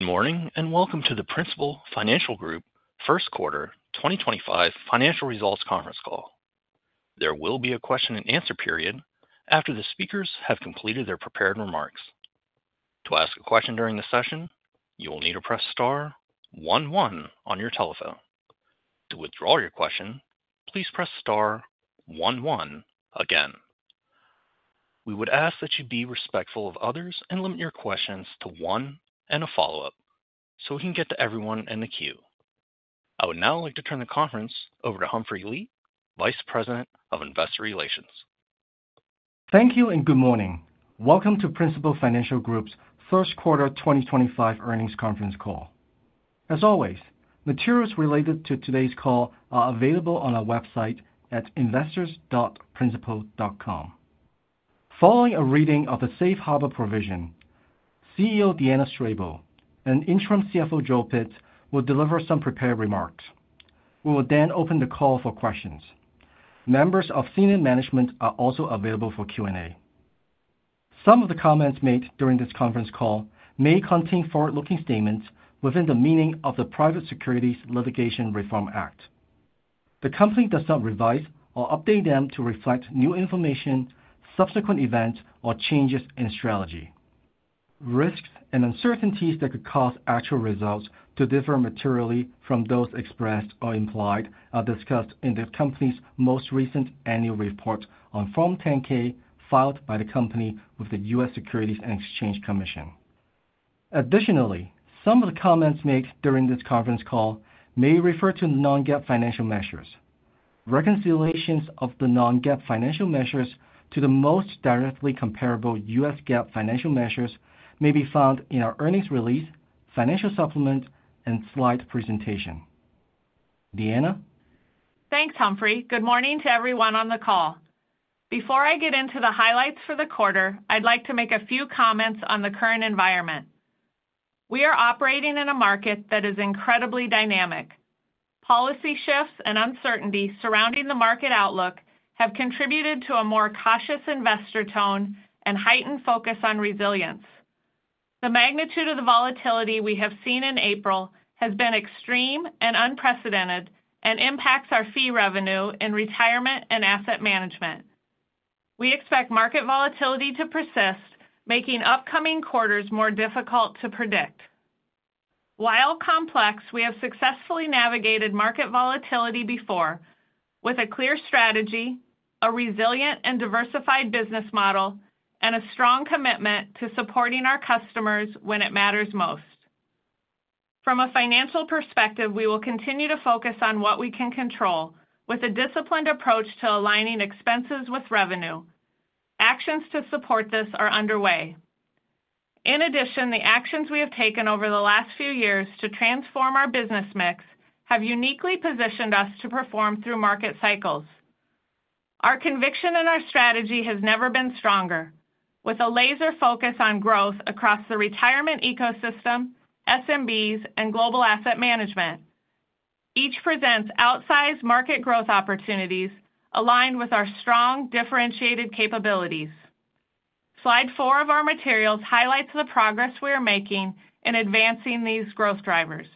Good morning and welcome to the Principal Financial Group First Quarter 2025 Financial Results Conference Call. There will be a question-and-answer period after the speakers have completed their prepared remarks. To ask a question during the session, you will need to press star 11 on your telephone. To withdraw your question, please press star 11 again. We would ask that you be respectful of others and limit your questions to one and a follow-up so we can get to everyone in the queue. I would now like to turn the conference over to Humphrey Lee, Vice President of Investor Relations. Thank you and good morning. Welcome to Principal Financial Group's First Quarter 2025 Earnings Conference Call. As always, materials related to today's call are available on our website at investors.principal.com. Following a reading of the Safe Harbor provision, CEO Deanna Strable and Interim CFO Joel Pitz will deliver some prepared remarks. We will then open the call for questions. Members of senior management are also available for Q&A. Some of the comments made during this conference call may contain forward-looking statements within the meaning of the Private Securities Litigation Reform Act. The company does not revise or update them to reflect new information, subsequent events, or changes in strategy. Risks and uncertainties that could cause actual results to differ materially from those expressed or implied are discussed in the company's most recent annual report on Form 10-K filed by the company with the U.S. Securities and Exchange Commission. Additionally, some of the comments made during this conference call may refer to non-GAAP financial measures. Reconciliations of the non-GAAP financial measures to the most directly comparable U.S. GAAP financial measures may be found in our earnings release, financial supplement, and slide presentation. Deanna? Thanks, Humphrey. Good morning to everyone on the call. Before I get into the highlights for the quarter, I'd like to make a few comments on the current environment. We are operating in a market that is incredibly dynamic. Policy shifts and uncertainty surrounding the market outlook have contributed to a more cautious investor tone and heightened focus on resilience. The magnitude of the volatility we have seen in April has been extreme and unprecedented and impacts our fee revenue in retirement and asset management. We expect market volatility to persist, making upcoming quarters more difficult to predict. While complex, we have successfully navigated market volatility before with a clear strategy, a resilient and diversified business model, and a strong commitment to supporting our customers when it matters most. From a financial perspective, we will continue to focus on what we can control with a disciplined approach to aligning expenses with revenue. Actions to support this are underway. In addition, the actions we have taken over the last few years to transform our business mix have uniquely positioned us to perform through market cycles. Our conviction and our strategy have never been stronger, with a laser focus on growth across the retirement ecosystem, SMBs, and global asset management. Each presents outsized market growth opportunities aligned with our strong, differentiated capabilities. Slide four of our materials highlights the progress we are making in advancing these growth drivers.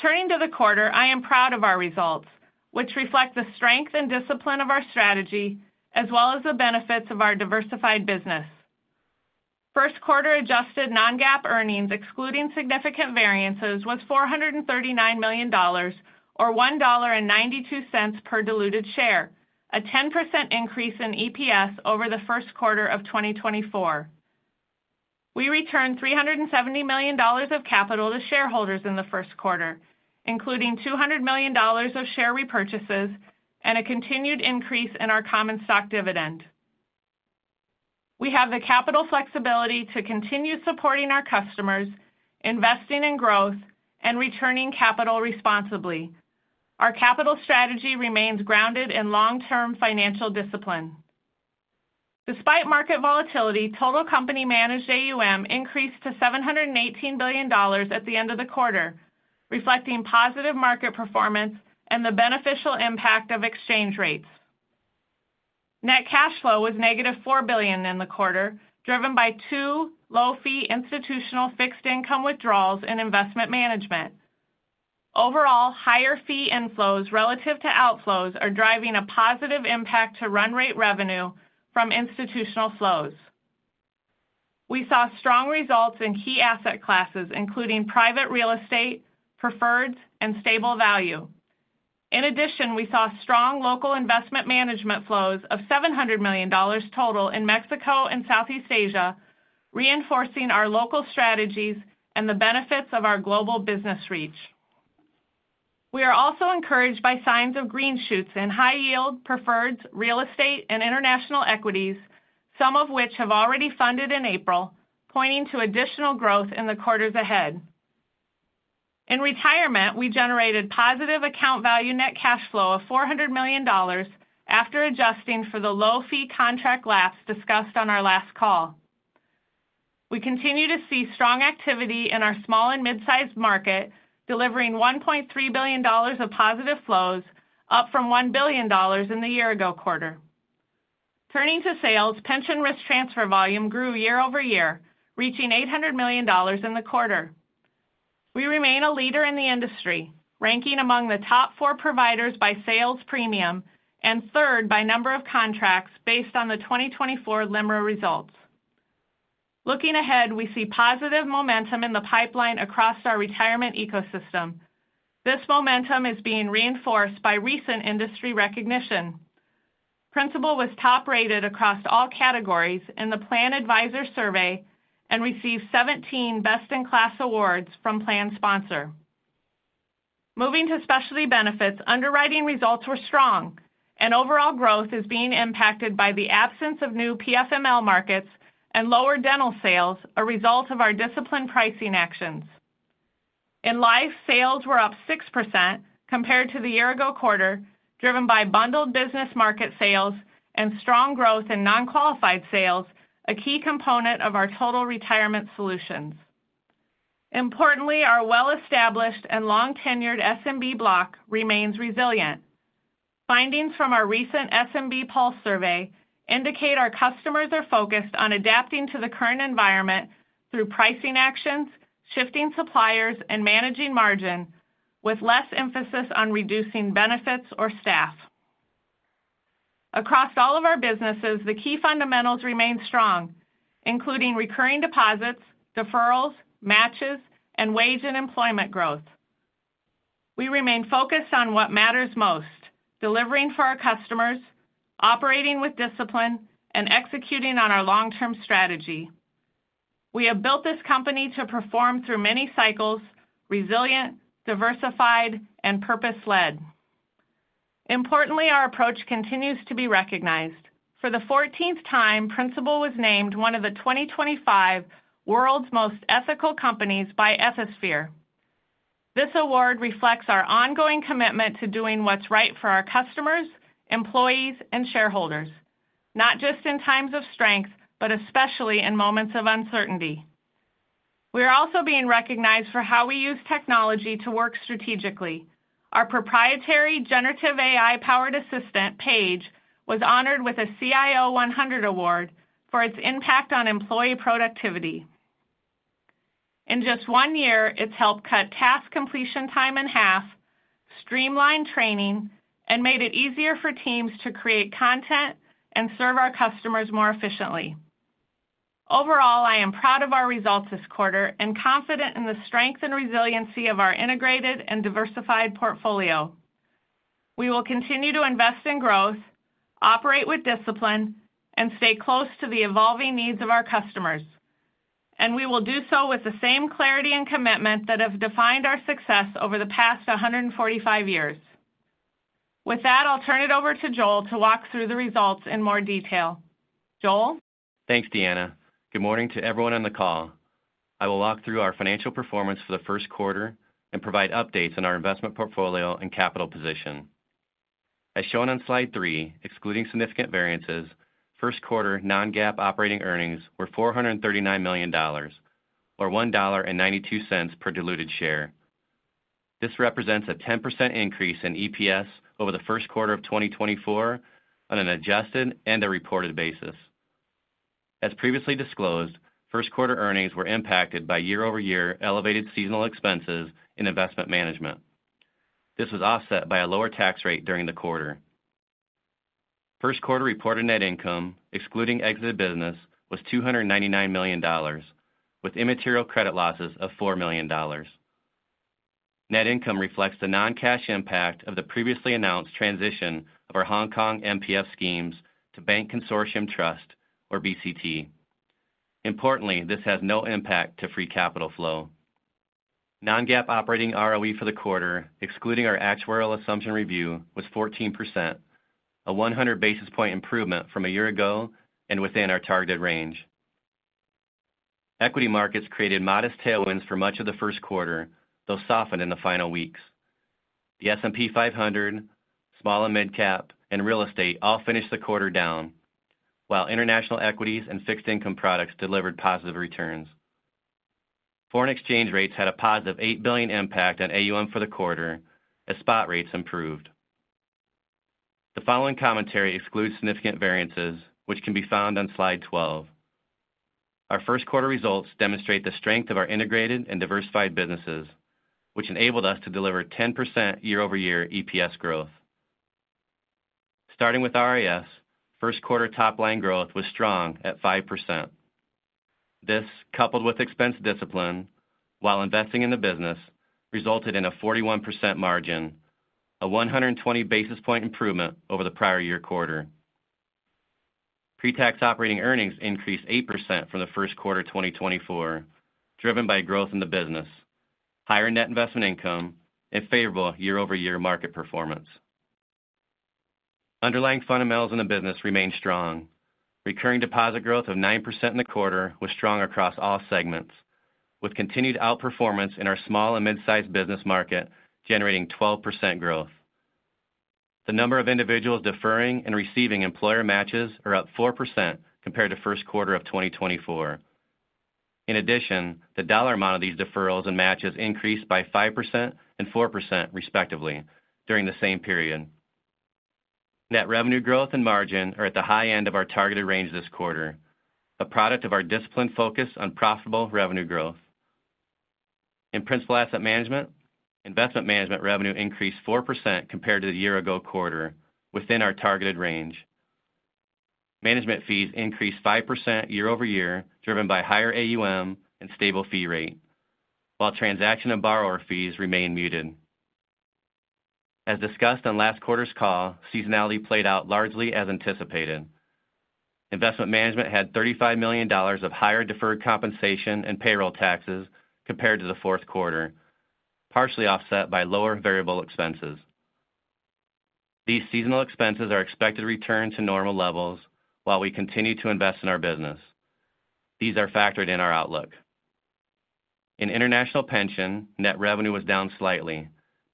Turning to the quarter, I am proud of our results, which reflect the strength and discipline of our strategy, as well as the benefits of our diversified business. First quarter adjusted non-GAAP earnings, excluding significant variances, was $439 million, or $1.92 per diluted share, a 10% increase in EPS over the first quarter of 2024. We returned $370 million of capital to shareholders in the first quarter, including $200 million of share repurchases and a continued increase in our common stock dividend. We have the capital flexibility to continue supporting our customers, investing in growth, and returning capital responsibly. Our capital strategy remains grounded in long-term financial discipline. Despite market volatility, total company-managed AUM increased to $718 billion at the end of the quarter, reflecting positive market performance and the beneficial impact of exchange rates. Net cash flow was -$4 billion in the quarter, driven by two low-fee institutional fixed income withdrawals in investment management. Overall, higher fee inflows relative to outflows are driving a positive impact to run rate revenue from institutional flows. We saw strong results in key asset classes, including private real estate, preferreds, and stable value. In addition, we saw strong local investment management flows of $700 million total in Mexico and Southeast Asia, reinforcing our local strategies and the benefits of our global business reach. We are also encouraged by signs of green shoots in high-yield preferreds, real estate, and international equities, some of which have already funded in April, pointing to additional growth in the quarters ahead. In retirement, we generated positive account value net cash flow of $400 million after adjusting for the low-fee contract laps discussed on our last call. We continue to see strong activity in our small and mid-sized market, delivering $1.3 billion of positive flows, up from $1 billion in the year ago quarter. Turning to sales, pension risk transfer volume grew year-over-year, reaching $800 million in the quarter. We remain a leader in the industry, ranking among the top four providers by sales premium and third by number of contracts based on the 2024 LIMRA results. Looking ahead, we see positive momentum in the pipeline across our retirement ecosystem. This momentum is being reinforced by recent industry recognition. Principal was top-rated across all categories in the PLANADVISOR survey and received 17 best-in-class awards from PLANSPONSOR. Moving to specialty benefits, underwriting results were strong, and overall growth is being impacted by the absence of new PFML markets and lower dental sales, a result of our disciplined pricing actions. In life, sales were up 6% compared to the year ago quarter, driven by bundled business market sales and strong growth in non-qualified sales, a key component of our total retirement solutions. Importantly, our well-established and long-tenured SMB block remains resilient. Findings from our recent SMB Pulse survey indicate our customers are focused on adapting to the current environment through pricing actions, shifting suppliers, and managing margin, with less emphasis on reducing benefits or staff. Across all of our businesses, the key fundamentals remain strong, including recurring deposits, deferrals, matches, and wage and employment growth. We remain focused on what matters most: delivering for our customers, operating with discipline, and executing on our long-term strategy. We have built this company to perform through many cycles: resilient, diversified, and purpose-led. Importantly, our approach continues to be recognized. For the 14th time, Principal was named one of the 2025 World's Most Ethical Companies by Ethisphere. This award reflects our ongoing commitment to doing what's right for our customers, employees, and shareholders, not just in times of strength, but especially in moments of uncertainty. We are also being recognized for how we use technology to work strategically. Our proprietary generative AI-powered assistant, PAIGE, was honored with a CIO 100 award for its impact on employee productivity. In just one year, it's helped cut task completion time in half, streamlined training, and made it easier for teams to create content and serve our customers more efficiently. Overall, I am proud of our results this quarter and confident in the strength and resiliency of our integrated and diversified portfolio. We will continue to invest in growth, operate with discipline, and stay close to the evolving needs of our customers. We will do so with the same clarity and commitment that have defined our success over the past 145 years. With that, I'll turn it over to Joel to walk through the results in more detail. Joel? Thanks, Deanna. Good morning to everyone on the call. I will walk through our financial performance for the first quarter and provide updates on our investment portfolio and capital position. As shown on slide three, excluding significant variances, first quarter non-GAAP operating earnings were $439 million, or $1.92 per diluted share. This represents a 10% increase in EPS over the first quarter of 2024 on an adjusted and a reported basis. As previously disclosed, first quarter earnings were impacted by year-over-year elevated seasonal expenses in investment management. This was offset by a lower tax rate during the quarter. First quarter reported net income, excluding exited business, was $299 million, with immaterial credit losses of $4 million. Net income reflects the non-cash impact of the previously announced transition of our Hong Kong MPF schemes to Bank Consortium Trust, or BCT. Importantly, this has no impact to free capital flow. Non-GAAP operating ROE for the quarter, excluding our actuarial assumption review, was 14%, a 100 basis point improvement from a year ago and within our targeted range. Equity markets created modest tailwinds for much of the first quarter, though softened in the final weeks. The S&P 500, small and mid-cap, and real estate all finished the quarter down, while international equities and fixed income products delivered positive returns. Foreign exchange rates had a +$8 billion impact on AUM for the quarter, as spot rates improved. The following commentary excludes significant variances, which can be found on slide 12. Our first quarter results demonstrate the strength of our integrated and diversified businesses, which enabled us to deliver 10% year-over-year EPS growth. Starting with RIS, first quarter top-line growth was strong at 5%. This, coupled with expense discipline while investing in the business, resulted in a 41% margin, a 120 basis point improvement over the prior year quarter. Pretax operating earnings increased 8% from the first quarter 2024, driven by growth in the business, higher net investment income, and favorable year-over-year market performance. Underlying fundamentals in the business remain strong. Recurring deposit growth of 9% in the quarter was strong across all segments, with continued outperformance in our small and mid-sized business market generating 12% growth. The number of individuals deferring and receiving employer matches are up 4% compared to first quarter of 2024. In addition, the dollar amount of these deferrals and matches increased by 5% and 4%, respectively, during the same period. Net revenue growth and margin are at the high end of our targeted range this quarter, a product of our disciplined focus on profitable revenue growth. In Principal Asset Management, investment management revenue increased 4% compared to the year ago quarter, within our targeted range. Management fees increased 5% year-over-year, driven by higher AUM and stable fee rate, while transaction and borrower fees remain muted. As discussed on last quarter's call, seasonality played out largely as anticipated. Investment management had $35 million of higher deferred compensation and payroll taxes compared to the fourth quarter, partially offset by lower variable expenses. These seasonal expenses are expected to return to normal levels while we continue to invest in our business. These are factored in our outlook. In international pension, net revenue was down slightly,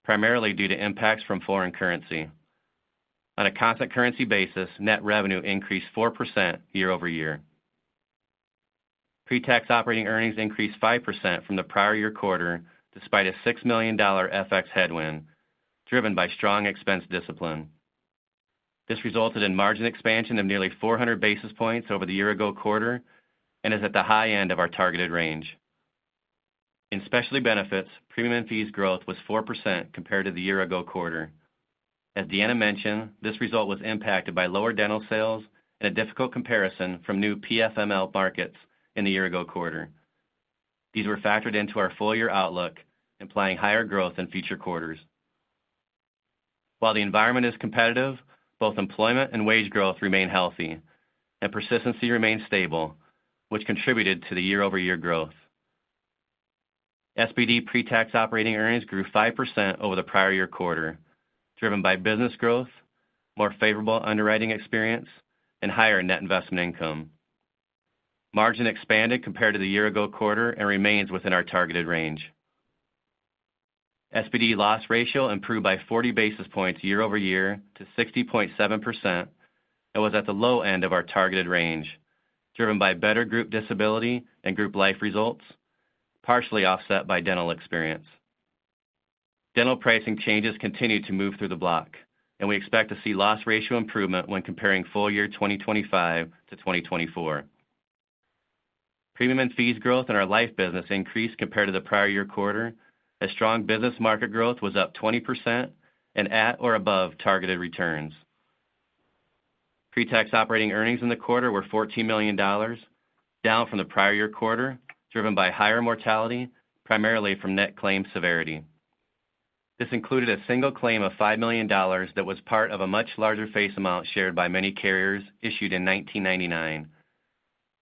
primarily due to impacts from foreign currency. On a constant currency basis, net revenue increased 4% year-over-year. Pretax operating earnings increased 5% from the prior year quarter, despite a $6 million FX headwind, driven by strong expense discipline. This resulted in margin expansion of nearly 400 basis points over the year ago quarter and is at the high end of our targeted range. In specialty benefits, premium and fees growth was 4% compared to the year ago quarter. As Deanna mentioned, this result was impacted by lower dental sales and a difficult comparison from new PFML markets in the year ago quarter. These were factored into our full-year outlook, implying higher growth in future quarters. While the environment is competitive, both employment and wage growth remain healthy, and persistency remains stable, which contributed to the year-over-year growth. SPD pretax operating earnings grew 5% over the prior year quarter, driven by business growth, more favorable underwriting experience, and higher net investment income. Margin expanded compared to the year ago quarter and remains within our targeted range. SPD loss ratio improved by 40 basis points year-over-year to 60.7% and was at the low end of our targeted range, driven by better group disability and group life results, partially offset by dental experience. Dental pricing changes continue to move through the block, and we expect to see loss ratio improvement when comparing full year 2025-2024. Premium and fees growth in our life business increased compared to the prior year quarter, as strong business market growth was up 20% and at or above targeted returns. Pretax operating earnings in the quarter were $14 million, down from the prior year quarter, driven by higher mortality, primarily from net claim severity. This included a single claim of $5 million that was part of a much larger face amount shared by many carriers issued in 1999.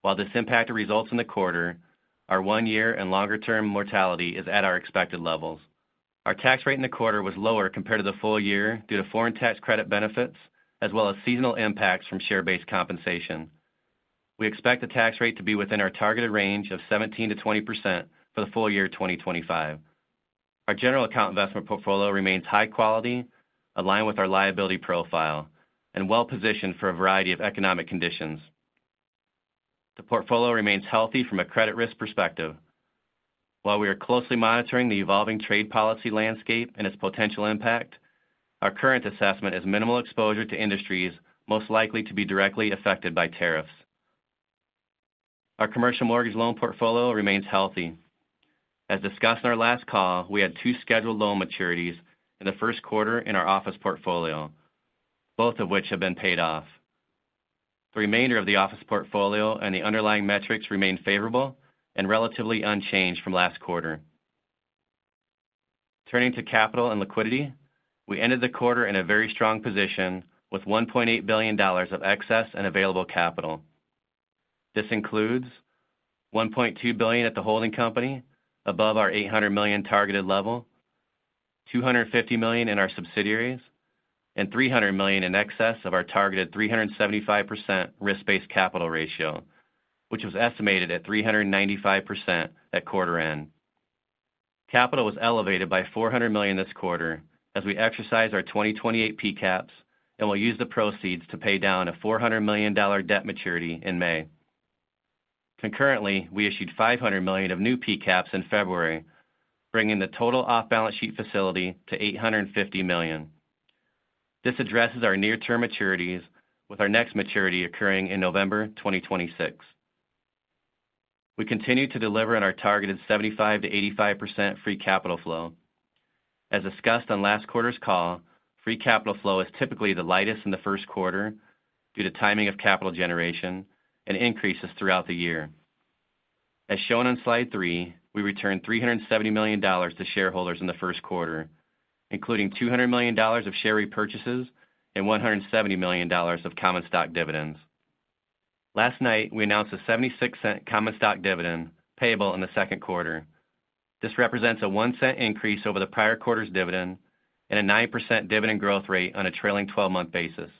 While this impact results in the quarter, our one year and longer-term mortality is at our expected levels. Our tax rate in the quarter was lower compared to the full year due to foreign tax credit benefits, as well as seasonal impacts from share-based compensation. We expect the tax rate to be within our targeted range of 17%-20% for the full year 2025. Our general account investment portfolio remains high quality, aligned with our liability profile, and well-positioned for a variety of economic conditions. The portfolio remains healthy from a credit risk perspective. While we are closely monitoring the evolving trade policy landscape and its potential impact, our current assessment is minimal exposure to industries most likely to be directly affected by tariffs. Our commercial mortgage loan portfolio remains healthy. As discussed in our last call, we had two scheduled loan maturities in the first quarter in our office portfolio, both of which have been paid off. The remainder of the office portfolio and the underlying metrics remain favorable and relatively unchanged from last quarter. Turning to capital and liquidity, we ended the quarter in a very strong position with $1.8 billion of excess and available capital. This includes $1.2 billion at the holding company, above our $800 million targeted level, $250 million in our subsidiaries, and $300 million in excess of our targeted 375% risk-based capital ratio, which was estimated at 395% at quarter end. Capital was elevated by $400 million this quarter as we exercised our 2028 P-caps and will use the proceeds to pay down a $400 million debt maturity in May. Concurrently, we issued $500 million of new P-caps in February, bringing the total off-balance sheet facility to $850 million. This addresses our near-term maturities, with our next maturity occurring in November 2026. We continue to deliver on our targeted 75%-85% free capital flow. As discussed on last quarter's call, free capital flow is typically the lightest in the first quarter due to timing of capital generation and increases throughout the year. As shown on slide three, we returned $370 million to shareholders in the first quarter, including $200 million of share repurchases and $170 million of common stock dividends. Last night, we announced a $0.76 common stock dividend payable in the second quarter. This represents a $0.01 increase over the prior quarter's dividend and a 9% dividend growth rate on a trailing 12-month basis.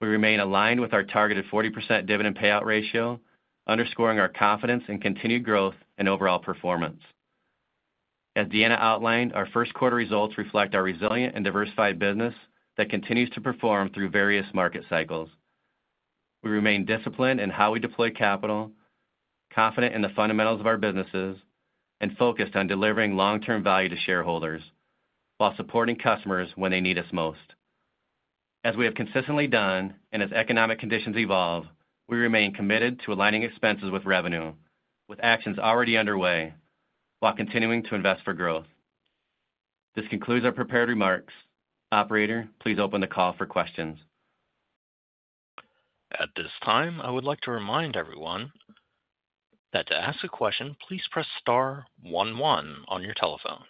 We remain aligned with our targeted 40% dividend payout ratio, underscoring our confidence in continued growth and overall performance. As Deanna outlined, our first quarter results reflect our resilient and diversified business that continues to perform through various market cycles. We remain disciplined in how we deploy capital, confident in the fundamentals of our businesses, and focused on delivering long-term value to shareholders while supporting customers when they need us most. As we have consistently done and as economic conditions evolve, we remain committed to aligning expenses with revenue, with actions already underway, while continuing to invest for growth. This concludes our prepared remarks. Operator, please open the call for questions. At this time, I would like to remind everyone that to ask a question, please press star 11 on your telephone.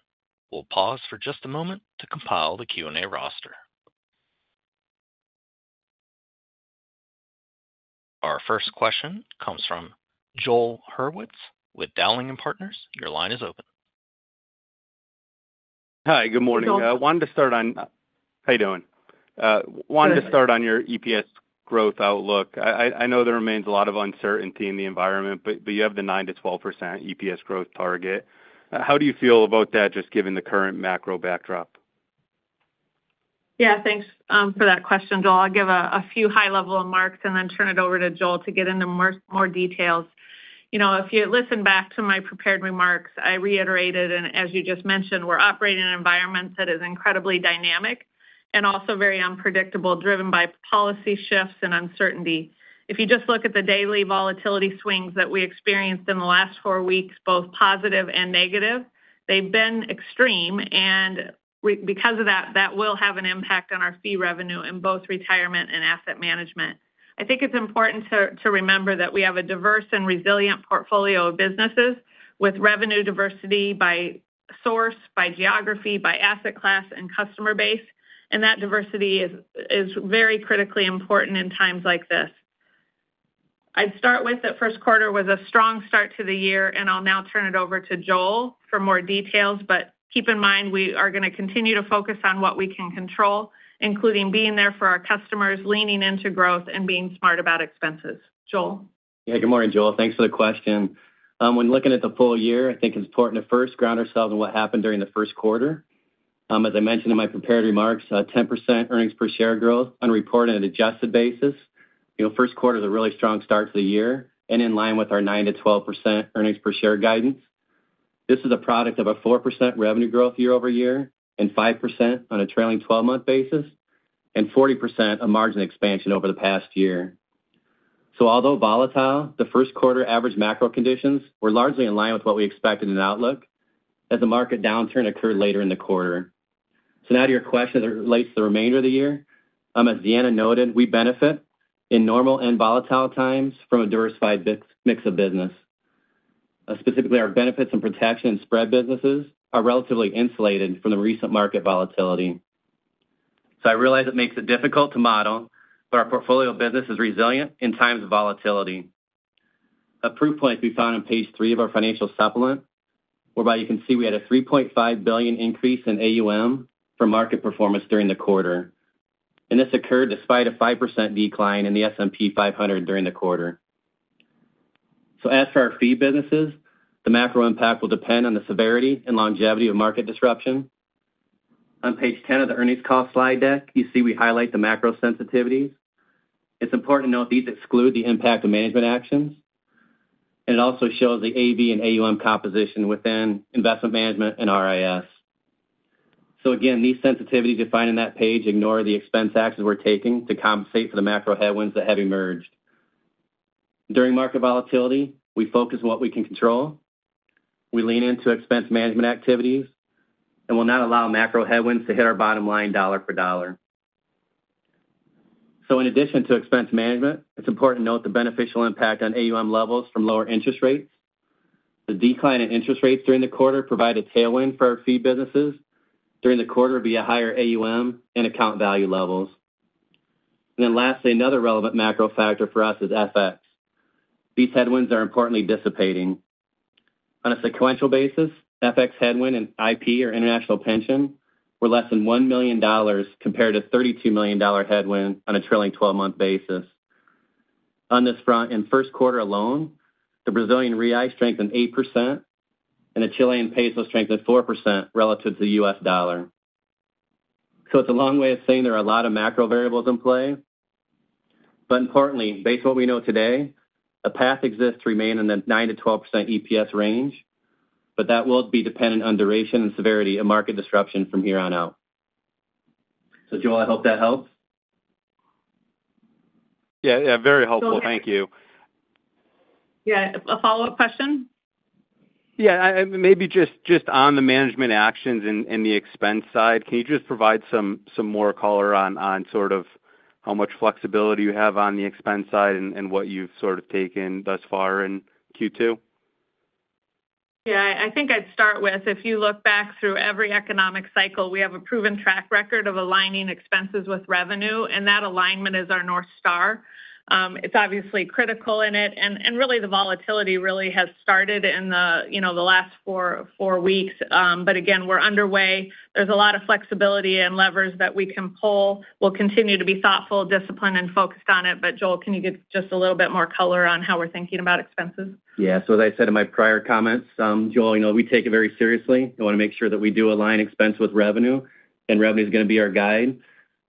We'll pause for just a moment to compile the Q&A roster. Our first question comes from Joel Hurwitz with Dowling & Partners. Your line is open. Hi, good morning. Wanted to start on how you doing. Wanted to start on your EPS growth outlook. I know there remains a lot of uncertainty in the environment, but you have the 9%-12% EPS growth target. How do you feel about that, just given the current macro backdrop? Yeah, thanks for that question, Joel. I'll give a few high-level remarks and then turn it over to Joel to get into more details. If you listen back to my prepared remarks, I reiterated, and as you just mentioned, we're operating in an environment that is incredibly dynamic and also very unpredictable, driven by policy shifts and uncertainty. If you just look at the daily volatility swings that we experienced in the last four weeks, both positive and negative, they've been extreme. Because of that, that will have an impact on our fee revenue in both retirement and asset management. I think it's important to remember that we have a diverse and resilient portfolio of businesses with revenue diversity by source, by geography, by asset class, and customer base. That diversity is very critically important in times like this. I'd start with that first quarter was a strong start to the year, and I'll now turn it over to Joel for more details. Keep in mind, we are going to continue to focus on what we can control, including being there for our customers, leaning into growth, and being smart about expenses. Joel? Yeah, good morning, Joel. Thanks for the question. When looking at the full year, I think it's important to first ground ourselves in what happened during the first quarter. As I mentioned in my prepared remarks, 10% earnings per share growth on a report on an adjusted basis. First quarter was a really strong start to the year and in line with our 9%-12% earnings per share guidance. This is a product of a 4% revenue growth year-over-year and 5% on a trailing 12-month basis and 40% of margin expansion over the past year. Although volatile, the first quarter average macro conditions were largely in line with what we expected in outlook as the market downturn occurred later in the quarter. Now to your question as it relates to the remainder of the year, as Deanna noted, we benefit in normal and volatile times from a diversified mix of business. Specifically, our benefits and protection and spread businesses are relatively insulated from the recent market volatility. I realize it makes it difficult to model, but our portfolio of business is resilient in times of volatility. A proof point we found on page three of our financial supplement, whereby you can see we had a $3.5 billion increase in AUM for market performance during the quarter. This occurred despite a 5% decline in the S&P 500 during the quarter. As for our fee businesses, the macro impact will depend on the severity and longevity of market disruption. On page 10 of the earnings call slide deck, you see we highlight the macro sensitivities. It's important to note these exclude the impact of management actions. It also shows the AV and AUM composition within investment management and RIS. Again, these sensitivities defined in that page ignore the expense actions we're taking to compensate for the macro headwinds that have emerged. During market volatility, we focus on what we can control. We lean into expense management activities and will not allow macro headwinds to hit our bottom line dollar for dollar. In addition to expense management, it's important to note the beneficial impact on AUM levels from lower interest rates. The decline in interest rates during the quarter provided a tailwind for our fee businesses. During the quarter, we have higher AUM and account value levels. Lastly, another relevant macro factor for us is FX. These headwinds are importantly dissipating. On a sequential basis, FX headwind in IP or international pension were less than $1 million compared to $32 million headwind on a trailing 12-month basis. On this front, in first quarter alone, the Brazilian real strengthened 8% and the Chilean peso strengthened 4% relative to the U.S. dollar. It is a long way of saying there are a lot of macro variables in play. Importantly, based on what we know today, a path exists to remain in the 9%-12% EPS range, but that will be dependent on duration and severity of market disruption from here on out. Joel, I hope that helps. Yeah, yeah, very helpful. Thank you. Yeah, a follow-up question. Yeah, maybe just on the management actions and the expense side, can you just provide some more color on sort of how much flexibility you have on the expense side and what you've sort of taken thus far in Q2? Yeah, I think I'd start with, if you look back through every economic cycle, we have a proven track record of aligning expenses with revenue, and that alignment is our North Star. It's obviously critical in it. Really, the volatility really has started in the last four weeks. Again, we're underway. There's a lot of flexibility and levers that we can pull. We'll continue to be thoughtful, disciplined, and focused on it. Joel, can you give just a little bit more color on how we're thinking about expenses? Yeah, as I said in my prior comments, Joel, we take it very seriously. We want to make sure that we do align expense with revenue, and revenue is going to be our guide.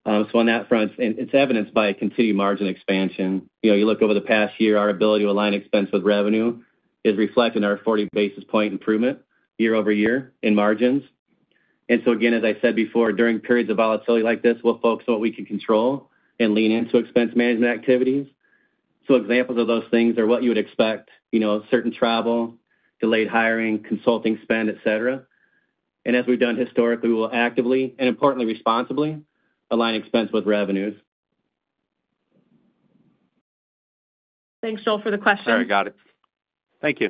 On that front, it is evidenced by continued margin expansion. You look over the past year, our ability to align expense with revenue is reflected in our 40 basis point improvement year-over-year in margins. Again, as I said before, during periods of volatility like this, we will focus on what we can control and lean into expense management activities. Examples of those things are what you would expect: certain travel, delayed hiring, consulting spend, etc. As we have done historically, we will actively and importantly responsibly align expense with revenues. Thanks, Joel, for the question. Sorry, got it. Thank you.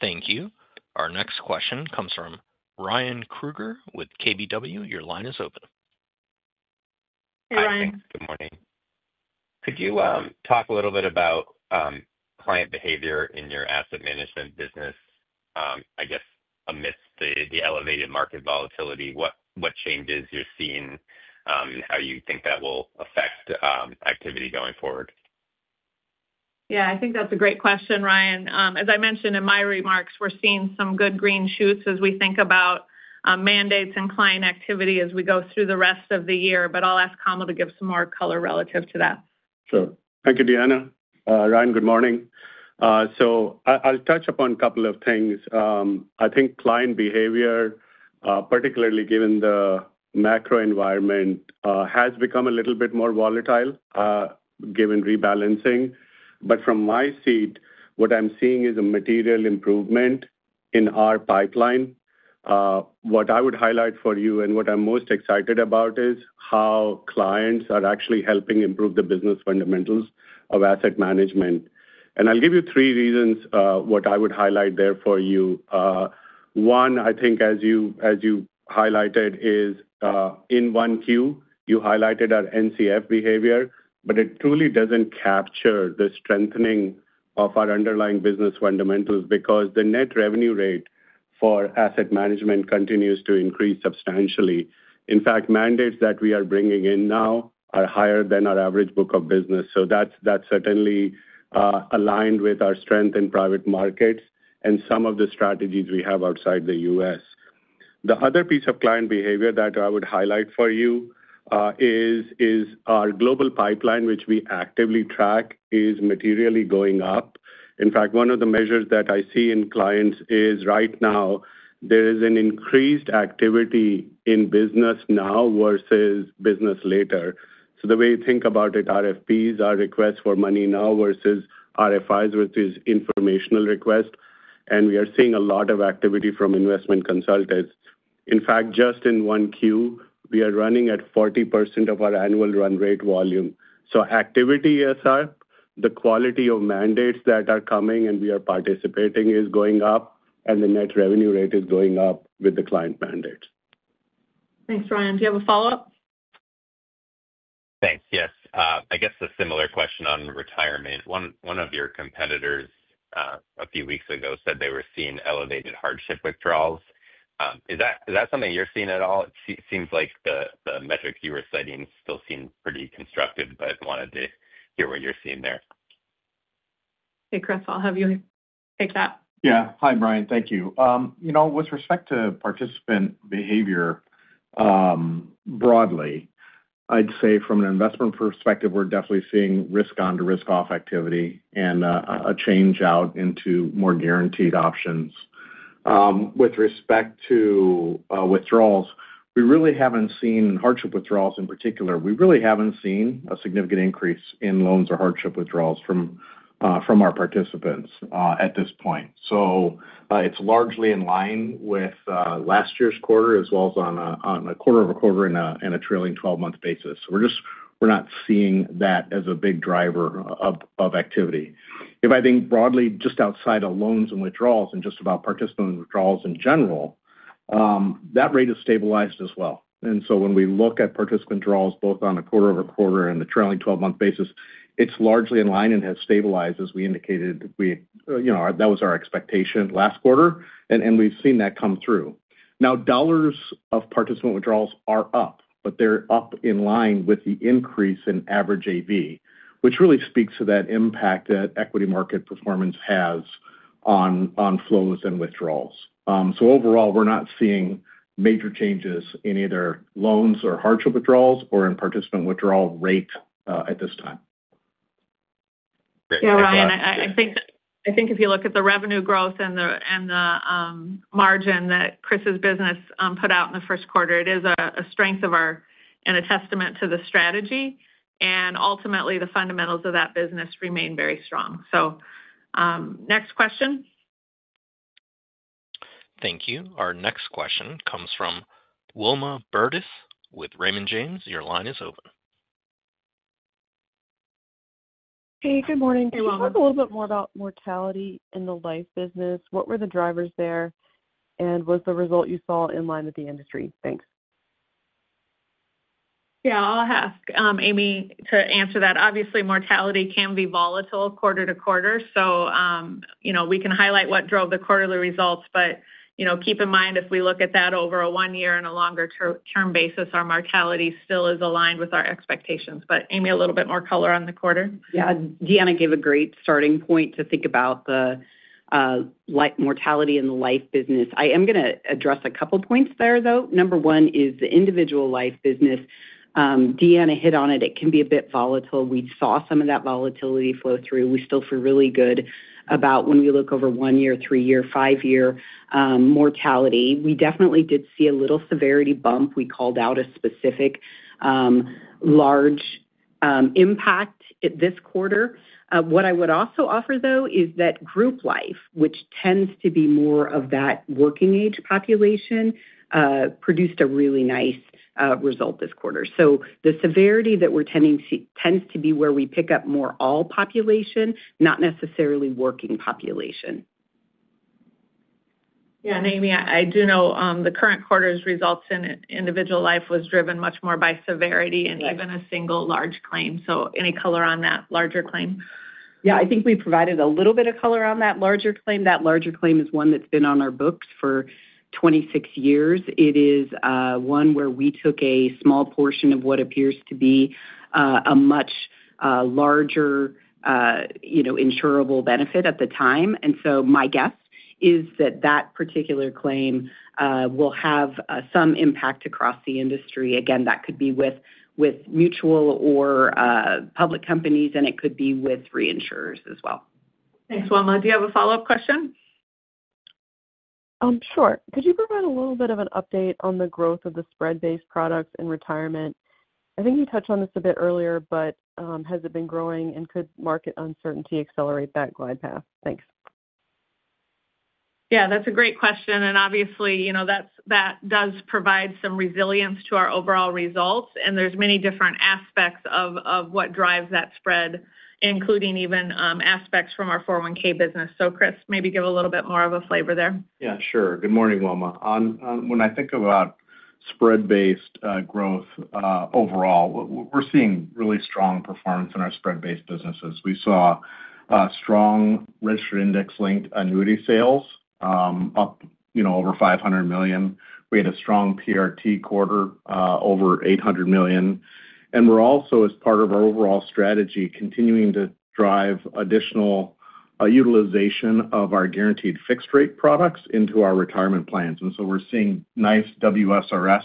Thank you. Our next question comes from Ryan Krueger with KBW. Your line is open. Hey, Ryan. Good morning. Could you talk a little bit about client behavior in your asset management business, I guess, amidst the elevated market volatility? What changes you're seeing and how you think that will affect activity going forward? Yeah, I think that's a great question, Ryan. As I mentioned in my remarks, we're seeing some good green shoots as we think about mandates and client activity as we go through the rest of the year. I will ask Kamal to give some more color relative to that. Sure. Thank you, Deanna. Ryan, good morning. I'll touch upon a couple of things. I think client behavior, particularly given the macro environment, has become a little bit more volatile given rebalancing. From my seat, what I'm seeing is a material improvement in our pipeline. What I would highlight for you and what I'm most excited about is how clients are actually helping improve the business fundamentals of asset management. I'll give you three reasons what I would highlight there for you. One, I think, as you highlighted, is in 1Q, you highlighted our NCF behavior, but it truly doesn't capture the strengthening of our underlying business fundamentals because the net revenue rate for asset management continues to increase substantially. In fact, mandates that we are bringing in now are higher than our average book of business. That is certainly aligned with our strength in private markets and some of the strategies we have outside the U.S.. The other piece of client behavior that I would highlight for you is our global pipeline, which we actively track, is materially going up. In fact, one of the measures that I see in clients is right now there is an increased activity in business now versus business later. The way you think about it, RFPs are requests for money now versus RFIs, which is informational request. We are seeing a lot of activity from investment consultants. In fact, just in 1Q, we are running at 40% of our annual run rate volume. Activity, as such, the quality of mandates that are coming and we are participating is going up, and the net revenue rate is going up with the client mandates. Thanks, Ryan. Do you have a follow-up? Thanks. Yes. I guess a similar question on retirement. One of your competitors a few weeks ago said they were seeing elevated hardship withdrawals. Is that something you're seeing at all? It seems like the metric you were citing still seemed pretty constructive, but wanted to hear what you're seeing there. Hey, Chris, I'll have you take that. Yeah. Hi, Brian. Thank you. With respect to participant behavior broadly, I'd say from an investment perspective, we're definitely seeing risk-on to risk-off activity and a change out into more guaranteed options. With respect to withdrawals, we really haven't seen hardship withdrawals in particular. We really haven't seen a significant increase in loans or hardship withdrawals from our participants at this point. It's largely in line with last year's quarter as well as on a quarter-over-quarter and a trailing 12-month basis. We're not seeing that as a big driver of activity. If I think broadly, just outside of loans and withdrawals and just about participant withdrawals in general, that rate has stabilized as well. When we look at participant withdrawals both on a quarter-over-quarter and the trailing 12-month basis, it's largely in line and has stabilized as we indicated. That was our expectation last quarter, and we've seen that come through. Now, dollars of participant withdrawals are up, but they're up in line with the increase in average AV, which really speaks to that impact that equity market performance has on flows and withdrawals. Overall, we're not seeing major changes in either loans or hardship withdrawals or in participant withdrawal rate at this time. Yeah, Ryan, I think if you look at the revenue growth and the margin that Chris's business put out in the first quarter, it is a strength of ours and a testament to the strategy. Ultimately, the fundamentals of that business remain very strong. Next question. Thank you. Our next question comes from Wilma Burdis with Raymond James. Your line is open. Hey, good morning. Can you talk a little bit more about mortality in the life business? What were the drivers there? Was the result you saw in line with the industry? Thanks. Yeah, I'll ask Amy to answer that. Obviously, mortality can be volatile quarter-to-quarter. We can highlight what drove the quarterly results, but keep in mind if we look at that over a one year and a longer-term basis, our mortality still is aligned with our expectations. Amy, a little bit more color on the quarter. Yeah, Deanna gave a great starting point to think about the mortality in the life business. I am going to address a couple of points there, though. Number one is the individual life business. Deanna hit on it. It can be a bit volatile. We saw some of that volatility flow through. We still feel really good about when we look over one year, three year, five year mortality. We definitely did see a little severity bump. We called out a specific large impact this quarter. What I would also offer, though, is that group life, which tends to be more of that working-age population, produced a really nice result this quarter. The severity that we're tending to see tends to be where we pick up more all-population, not necessarily working population. Yeah, and Amy, I do know the current quarter's results in individual life was driven much more by severity and even a single large claim. So any color on that larger claim? Yeah, I think we provided a little bit of color on that larger claim. That larger claim is one that's been on our books for 26 years. It is one where we took a small portion of what appears to be a much larger insurable benefit at the time. My guess is that that particular claim will have some impact across the industry. That could be with mutual or public companies, and it could be with reinsurers as well. Thanks, Wilma. Do you have a follow-up question? Sure. Could you provide a little bit of an update on the growth of the spread-based products in retirement? I think you touched on this a bit earlier, but has it been growing and could market uncertainty accelerate that glide path? Thanks. Yeah, that's a great question. That does provide some resilience to our overall results. There are many different aspects of what drives that spread, including even aspects from our 401(k) business. Chris, maybe give a little bit more of a flavor there. Yeah, sure. Good morning, Wilma. When I think about spread-based growth overall, we're seeing really strong performance in our spread-based businesses. We saw strong registered index-linked annuity sales up over $500 million. We had a strong PRT quarter over $800 million. We are also, as part of our overall strategy, continuing to drive additional utilization of our guaranteed fixed-rate products into our retirement plans. We are seeing nice WSRS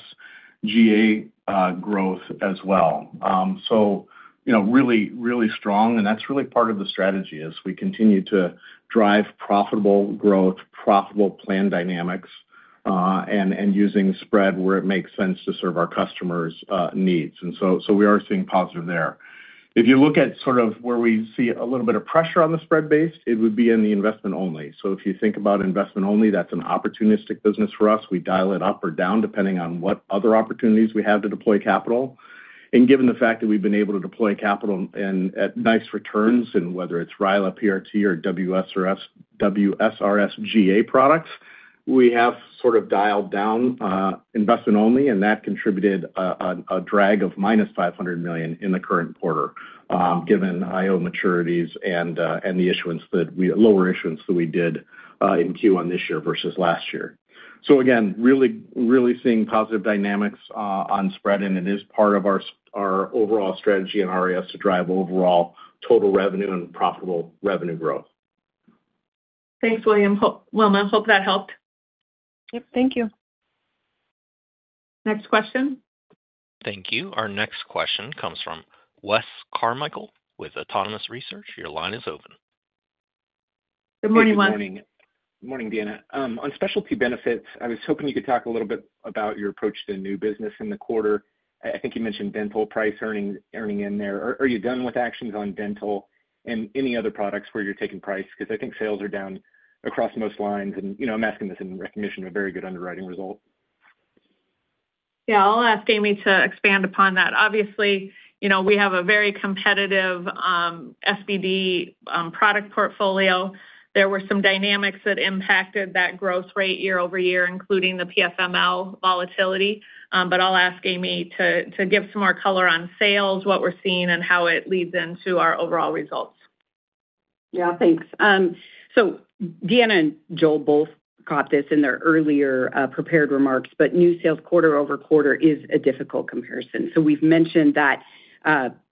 GA growth as well. Really, really strong. That is really part of the strategy as we continue to drive profitable growth, profitable plan dynamics, and using spread where it makes sense to serve our customers' needs. We are seeing positive there. If you look at sort of where we see a little bit of pressure on the spread-based, it would be in the investment-only. If you think about investment-only, that is an opportunistic business for us. We dial it up or down depending on what other opportunities we have to deploy capital. Given the fact that we've been able to deploy capital at nice returns, and whether it's RILA, PRT, or WSRS GA products, we have sort of dialed down investment-only, and that contributed a drag of -$500 million in the current quarter given IO maturities and the lower issuance that we did in Q1 this year versus last year. Again, really seeing positive dynamics on spread, and it is part of our overall strategy and RIS to drive overall total revenue and profitable revenue growth. Thanks, Wilma. Wilma, hope that helped. Yep, thank you. Next question. Thank you. Our next question comes from Wes Carmichael with Autonomous Research. Your line is open. Good morning. Good morning, Deanna. On specialty benefits, I was hoping you could talk a little bit about your approach to new business in the quarter. I think you mentioned dental price earning in there. Are you done with actions on dental and any other products where you're taking price? I think sales are down across most lines. I'm asking this in recognition of a very good underwriting result. Yeah, I'll ask Amy to expand upon that. Obviously, we have a very competitive SPD product portfolio. There were some dynamics that impacted that growth rate year-over-year, including the PFML volatility. I'll ask Amy to give some more color on sales, what we're seeing, and how it leads into our overall results. Yeah, thanks. Deanna and Joel both caught this in their earlier prepared remarks, but new sales quarter over quarter is a difficult comparison. We've mentioned that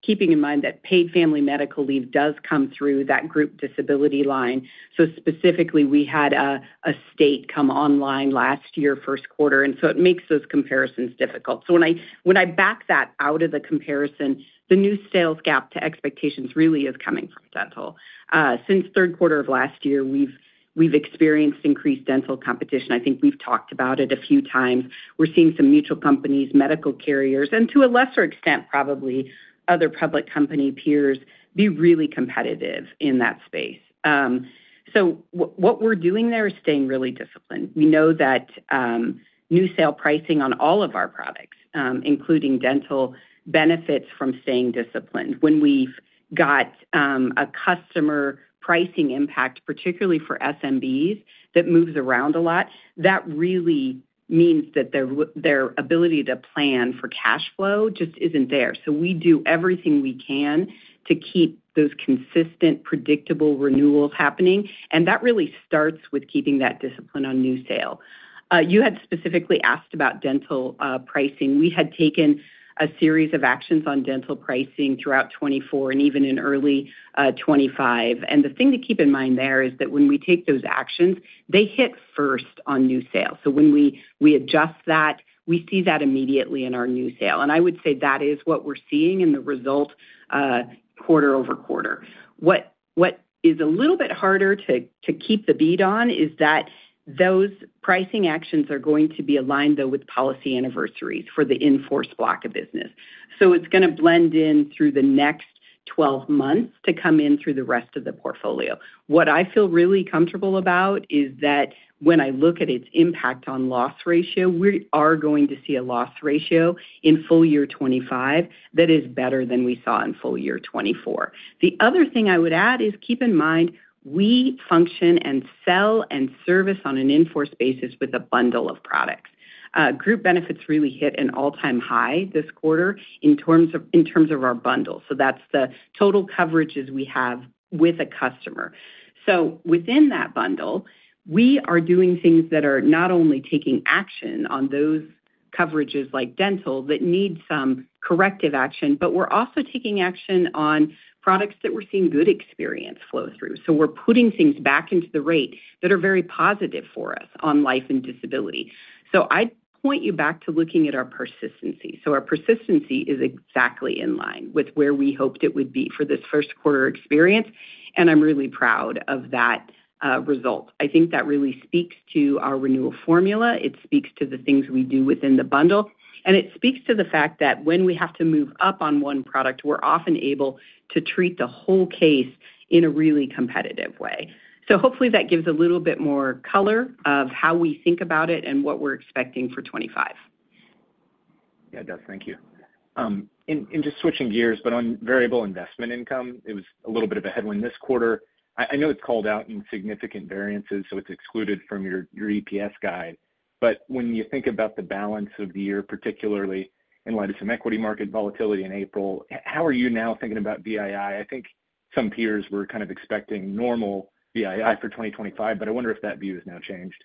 keeping in mind that paid family medical leave does come through that group disability line. Specifically, we had a state come online last year first quarter. It makes those comparisons difficult. When I back that out of the comparison, the new sales gap to expectations really is coming from dental. Since third quarter of last year, we've experienced increased dental competition. I think we've talked about it a few times. We're seeing some mutual companies, medical carriers, and to a lesser extent, probably other public company peers be really competitive in that space. What we're doing there is staying really disciplined. We know that new sale pricing on all of our products, including dental, benefits from staying disciplined. When we've got a customer pricing impact, particularly for SMBs, that moves around a lot, that really means that their ability to plan for cash flow just isn't there. We do everything we can to keep those consistent, predictable renewals happening. That really starts with keeping that discipline on new sale. You had specifically asked about dental pricing. We had taken a series of actions on dental pricing throughout 2024 and even in early 2025. The thing to keep in mind there is that when we take those actions, they hit first on new sales. When we adjust that, we see that immediately in our new sale. I would say that is what we're seeing in the result quarter-over-quarter. What is a little bit harder to keep the beat on is that those pricing actions are going to be aligned, though, with policy anniversaries for the enforced block of business. It is going to blend in through the next 12 months to come in through the rest of the portfolio. What I feel really comfortable about is that when I look at its impact on loss ratio, we are going to see a loss ratio in full year 2025 that is better than we saw in full year 2024. The other thing I would add is keep in mind we function and sell and service on an enforced basis with a bundle of products. Group benefits really hit an all-time high this quarter in terms of our bundle. That is the total coverages we have with a customer. Within that bundle, we are doing things that are not only taking action on those coverages like dental that need some corrective action, but we're also taking action on products that we're seeing good experience flow through. We're putting things back into the rate that are very positive for us on life and disability. I'd point you back to looking at our persistency. Our persistency is exactly in line with where we hoped it would be for this first quarter experience. I'm really proud of that result. I think that really speaks to our renewal formula. It speaks to the things we do within the bundle. It speaks to the fact that when we have to move up on one product, we're often able to treat the whole case in a really competitive way. Hopefully that gives a little bit more color of how we think about it and what we're expecting for 2025. Yeah, it does. Thank you. Just switching gears, but on variable investment income, it was a little bit of a headwind this quarter. I know it's called out in significant variances, so it's excluded from your EPS guide. When you think about the balance of the year, particularly in light of some equity market volatility in April, how are you now thinking about VII? I think some peers were kind of expecting normal VII for 2025, but I wonder if that view has now changed.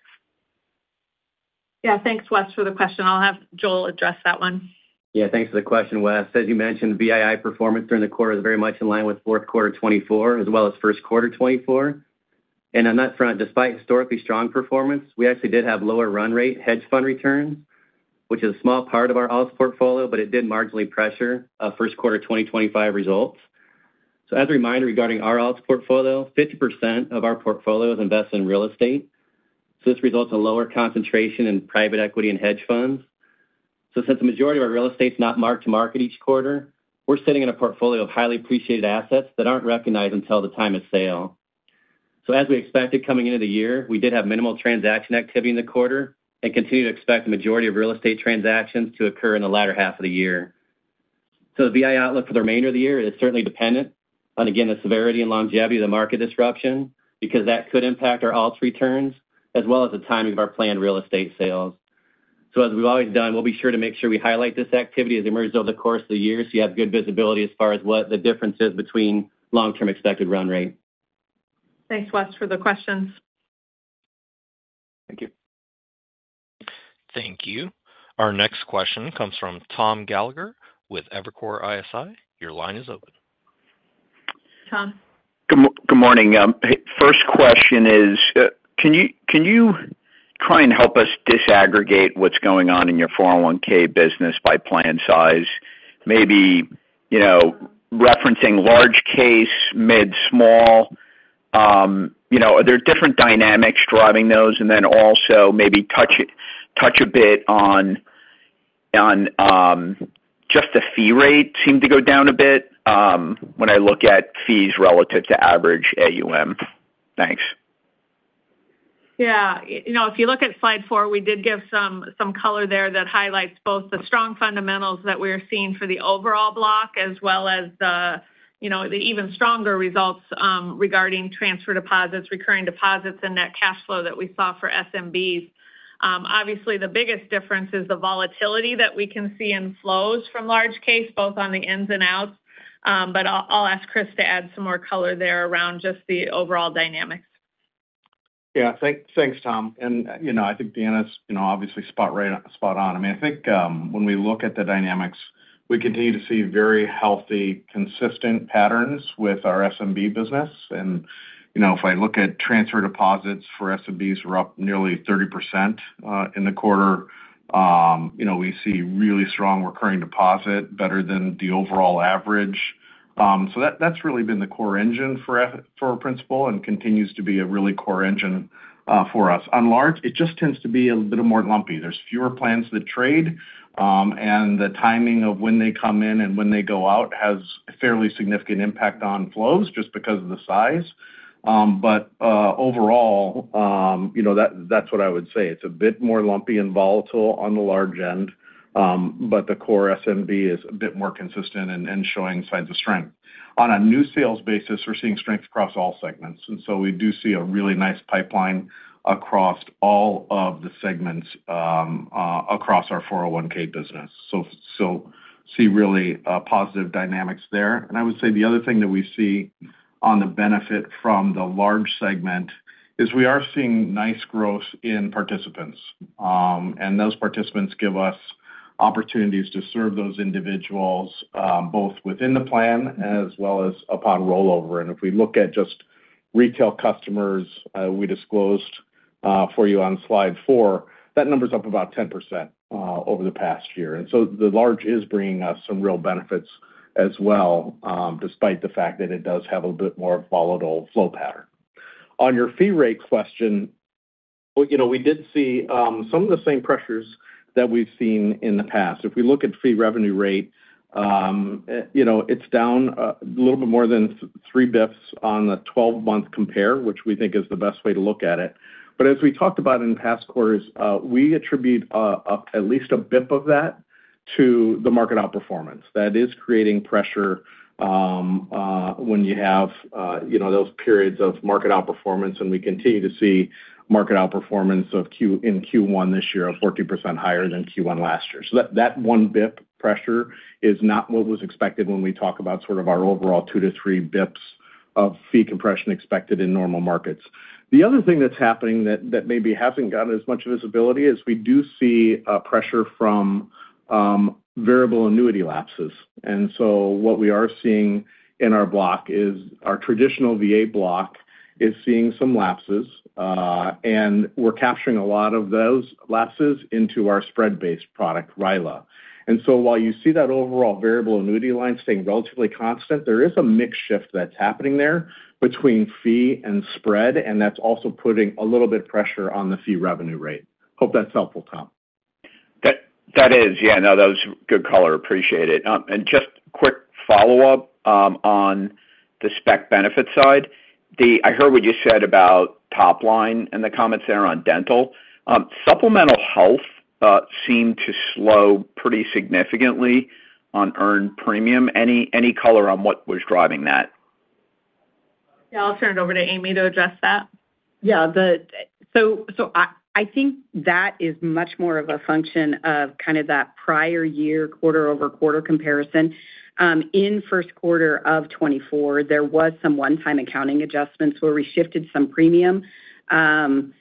Yeah, thanks, Wes, for the question. I'll have Joel address that one. Yeah, thanks for the question, Wes. As you mentioned, VII performance during the quarter is very much in line with fourth quarter 2024 as well as first quarter 2024. On that front, despite historically strong performance, we actually did have lower run rate hedge fund returns, which is a small part of our all-portfolio, but it did marginally pressure first quarter 2025 results. As a reminder regarding our all-portfolio, 50% of our portfolio is invested in real estate. This results in lower concentration in private equity and hedge funds. Since the majority of our real estate is not marked to market each quarter, we are sitting in a portfolio of highly appreciated assets that are not recognized until the time of sale. As we expected coming into the year, we did have minimal transaction activity in the quarter and continue to expect the majority of real estate transactions to occur in the latter half of the year. The VII outlook for the remainder of the year is certainly dependent on, again, the severity and longevity of the market disruption because that could impact our all-returns as well as the timing of our planned real estate sales. As we've always done, we'll be sure to make sure we highlight this activity as it emerges over the course of the year so you have good visibility as far as what the difference is between long-term expected run rate. Thanks, Wes, for the questions. Thank you. Thank you. Our next question comes from Tom Gallagher with Evercore ISI. Your line is open. Tom. Good morning. First question is, can you try and help us disaggregate what's going on in your 401(k) business by plan size, maybe referencing large case, mid-small? Are there different dynamics driving those? Also maybe touch a bit on just the fee rate seemed to go down a bit when I look at fees relative to average AUM. Thanks. Yeah. If you look at slide four, we did give some color there that highlights both the strong fundamentals that we're seeing for the overall block as well as the even stronger results regarding transfer deposits, recurring deposits, and that cash flow that we saw for SMBs. Obviously, the biggest difference is the volatility that we can see in flows from large case, both on the ins and outs. I'll ask Chris to add some more color there around just the overall dynamics. Yeah, thanks, Tom. I think Deanna's obviously spot on. I mean, I think when we look at the dynamics, we continue to see very healthy, consistent patterns with our SMB business. If I look at transfer deposits for SMBs, we're up nearly 30% in the quarter. We see really strong recurring deposit, better than the overall average. That's really been the core engine for our principal and continues to be a really core engine for us. On large, it just tends to be a little bit more lumpy. There are fewer plans that trade. The timing of when they come in and when they go out has a fairly significant impact on flows just because of the size. Overall, that's what I would say. It's a bit more lumpy and volatile on the large end, but the core SMB is a bit more consistent and showing signs of strength. On a new sales basis, we're seeing strength across all segments. We do see a really nice pipeline across all of the segments across our 401(k) business. We see really positive dynamics there. I would say the other thing that we see on the benefit from the large segment is we are seeing nice growth in participants. Those participants give us opportunities to serve those individuals both within the plan as well as upon rollover. If we look at just retail customers we disclosed for you on slide four, that number's up about 10% over the past year. The large is bringing us some real benefits as well, despite the fact that it does have a bit more volatile flow pattern. On your fee rate question, we did see some of the same pressures that we've seen in the past. If we look at fee revenue rate, it's down a little bit more than 3 basis points on the 12-month compare, which we think is the best way to look at it. As we talked about in past quarters, we attribute at least a basis point of that to the market outperformance. That is creating pressure when you have those periods of market outperformance. We continue to see market outperformance in Q1 this year of 40% higher than Q1 last year. That 1 basis point pressure is not what was expected when we talk about sort of our overall 2 basis points-3 basis points of fee compression expected in normal markets. The other thing that is happening that maybe has not gotten as much visibility is we do see pressure from variable annuity lapses. What we are seeing in our block is our traditional VA block is seeing some lapses. We are capturing a lot of those lapses into our spread-based product, RILA. While you see that overall variable annuity line staying relatively constant, there is a mixed shift that is happening there between fee and spread. That is also putting a little bit of pressure on the fee revenue rate. Hope that is helpful, Tom. That is. Yeah, no, that was good color. Appreciate it. Just quick follow-up on the spec benefit side. I heard what you said about top line in the comment center on dental. Supplemental health seemed to slow pretty significantly on earned premium. Any color on what was driving that? Yeah, I'll turn it over to Amy to address that. Yeah. I think that is much more of a function of kind of that prior year quarter-over-quarter comparison. In first quarter of 2024, there was some one-time accounting adjustments where we shifted some premium from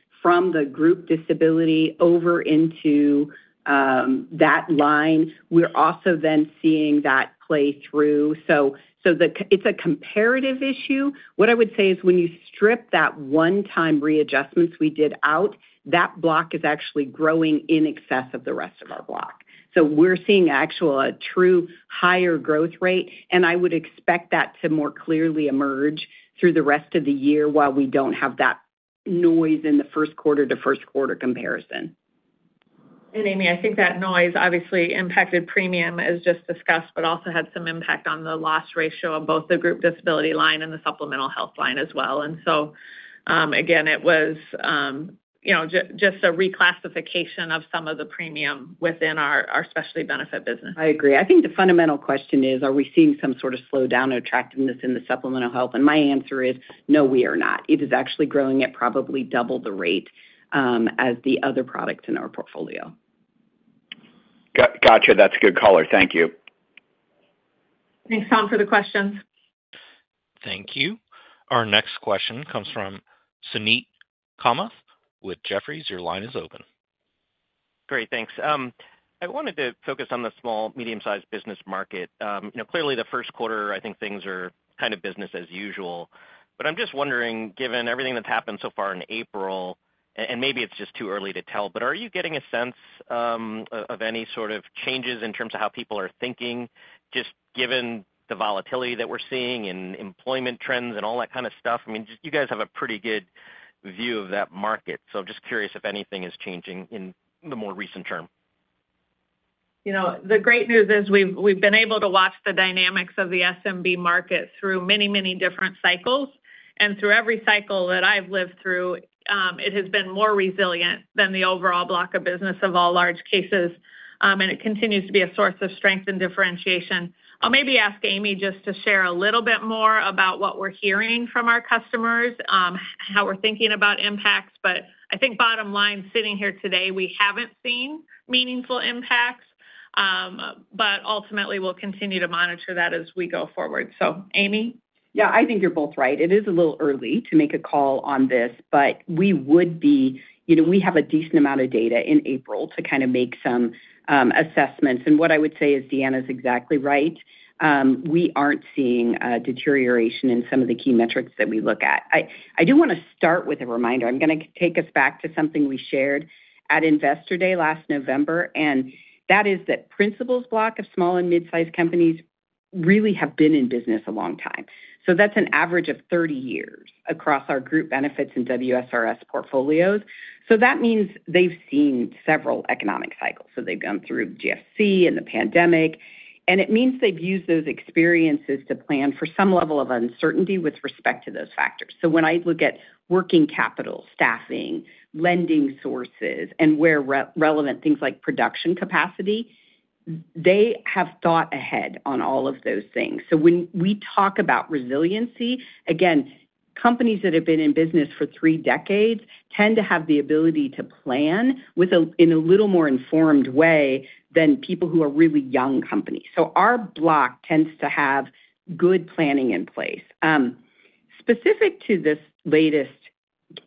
the group disability over into that line. We are also then seeing that play through. It is a comparative issue. What I would say is when you strip that one-time readjustments we did out, that block is actually growing in excess of the rest of our block. We are seeing actually a true higher growth rate. I would expect that to more clearly emerge through the rest of the year while we do not have that noise in the first quarter to first quarter comparison. Amy, I think that noise obviously impacted premium as just discussed, but also had some impact on the loss ratio of both the group disability line and the supplemental health line as well. It was just a reclassification of some of the premium within our specialty benefit business. I agree. I think the fundamental question is, are we seeing some sort of slowdown or attractiveness in the supplemental health? My answer is, no, we are not. It is actually growing at probably double the rate as the other products in our portfolio. Gotcha. That's good color. Thank you. Thanks, Tom, for the questions. Thank you. Our next question comes from Suneet Kamath with Jefferies. Your line is open. Great. Thanks. I wanted to focus on the small, medium-sized business market. Clearly, the first quarter, I think things are kind of business as usual. I am just wondering, given everything that's happened so far in April, and maybe it's just too early to tell, are you getting a sense of any sort of changes in terms of how people are thinking, just given the volatility that we're seeing in employment trends and all that kind of stuff? I mean, you guys have a pretty good view of that market. I am just curious if anything is changing in the more recent term. The great news is we've been able to watch the dynamics of the SMB market through many, many different cycles. Through every cycle that I've lived through, it has been more resilient than the overall block of business of all large cases. It continues to be a source of strength and differentiation. I'll maybe ask Amy just to share a little bit more about what we're hearing from our customers, how we're thinking about impacts. I think bottom line, sitting here today, we haven't seen meaningful impacts. Ultimately, we'll continue to monitor that as we go forward. Amy? Yeah, I think you're both right. It is a little early to make a call on this. We have a decent amount of data in April to kind of make some assessments. What I would say is Deanna's exactly right. We aren't seeing a deterioration in some of the key metrics that we look at. I do want to start with a reminder. I'm going to take us back to something we shared at Investor Day last November. That is that Principal's block of small and mid-sized companies really have been in business a long time. That's an average of 30 years across our group benefits and WSRS portfolios. That means they've seen several economic cycles. They've gone through GFC and the pandemic. It means they've used those experiences to plan for some level of uncertainty with respect to those factors. When I look at working capital, staffing, lending sources, and where relevant things like production capacity, they have thought ahead on all of those things. When we talk about resiliency, again, companies that have been in business for three decades tend to have the ability to plan in a little more informed way than people who are really young companies. Our block tends to have good planning in place. Specific to this latest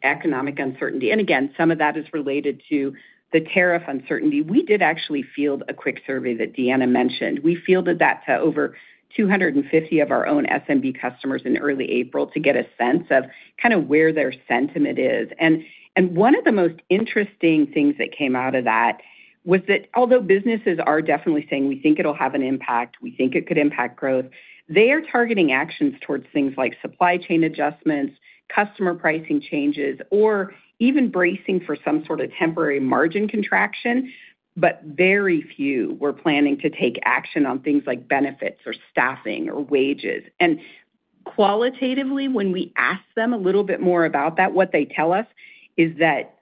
economic uncertainty, and again, some of that is related to the tariff uncertainty, we did actually field a quick survey that Deanna mentioned. We fielded that to over 250 of our own SMB customers in early April to get a sense of kind of where their sentiment is. One of the most interesting things that came out of that was that although businesses are definitely saying we think it'll have an impact, we think it could impact growth, they are targeting actions towards things like supply chain adjustments, customer pricing changes, or even bracing for some sort of temporary margin contraction. Very few were planning to take action on things like benefits or staffing or wages. Qualitatively, when we ask them a little bit more about that, what they tell us is that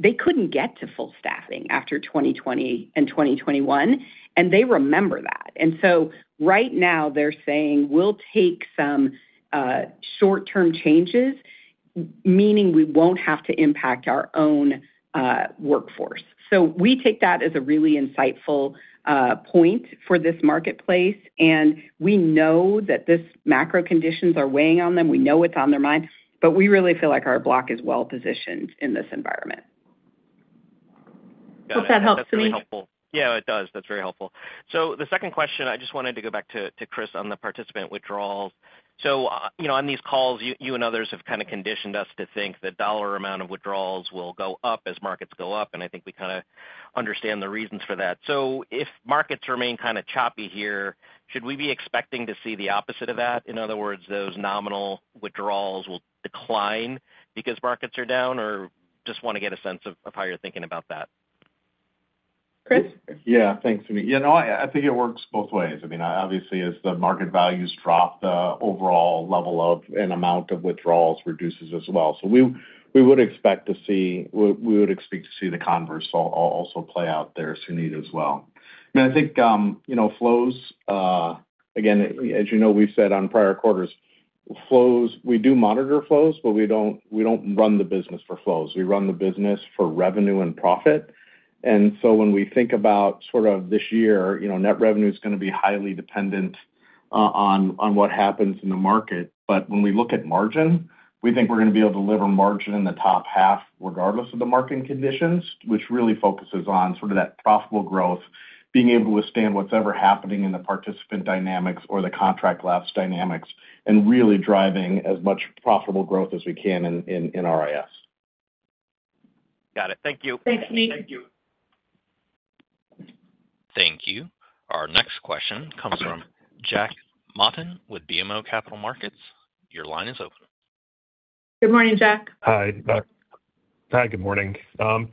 they could not get to full staffing after 2020 and 2021. They remember that. Right now, they're saying, "We'll take some short-term changes," meaning we will not have to impact our own workforce. We take that as a really insightful point for this marketplace. We know that these macro conditions are weighing on them. We know it's on their mind. We really feel like our block is well-positioned in this environment. Hope that helps Suneet. Yeah, it does. That's very helpful. The second question, I just wanted to go back to Chris on the participant withdrawals. On these calls, you and others have kind of conditioned us to think the dollar amount of withdrawals will go up as markets go up. I think we kind of understand the reasons for that. If markets remain kind of choppy here, should we be expecting to see the opposite of that? In other words, those nominal withdrawals will decline because markets are down, or just want to get a sense of how you're thinking about that? Chris? Yeah. Thanks, Suneet. I think it works both ways. I mean, obviously, as the market values drop, the overall level of and amount of withdrawals reduces as well. We would expect to see the converse also play out there, Suneet, as well. I mean, I think flows, again, as you know, we've said on prior quarters, flows, we do monitor flows, but we do not run the business for flows. We run the business for revenue and profit. When we think about sort of this year, net revenue is going to be highly dependent on what happens in the market. When we look at margin, we think we're going to be able to deliver margin in the top half regardless of the market conditions, which really focuses on sort of that profitable growth, being able to withstand what's ever happening in the participant dynamics or the contract lapse dynamics, and really driving as much profitable growth as we can in RIS. Got it. Thank you. Thanks, Suneet. Thank you. Thank you. Our next question comes from Jack Matten with BMO Capital Markets. Your line is open. Good morning, Jack. Hi. Good morning. I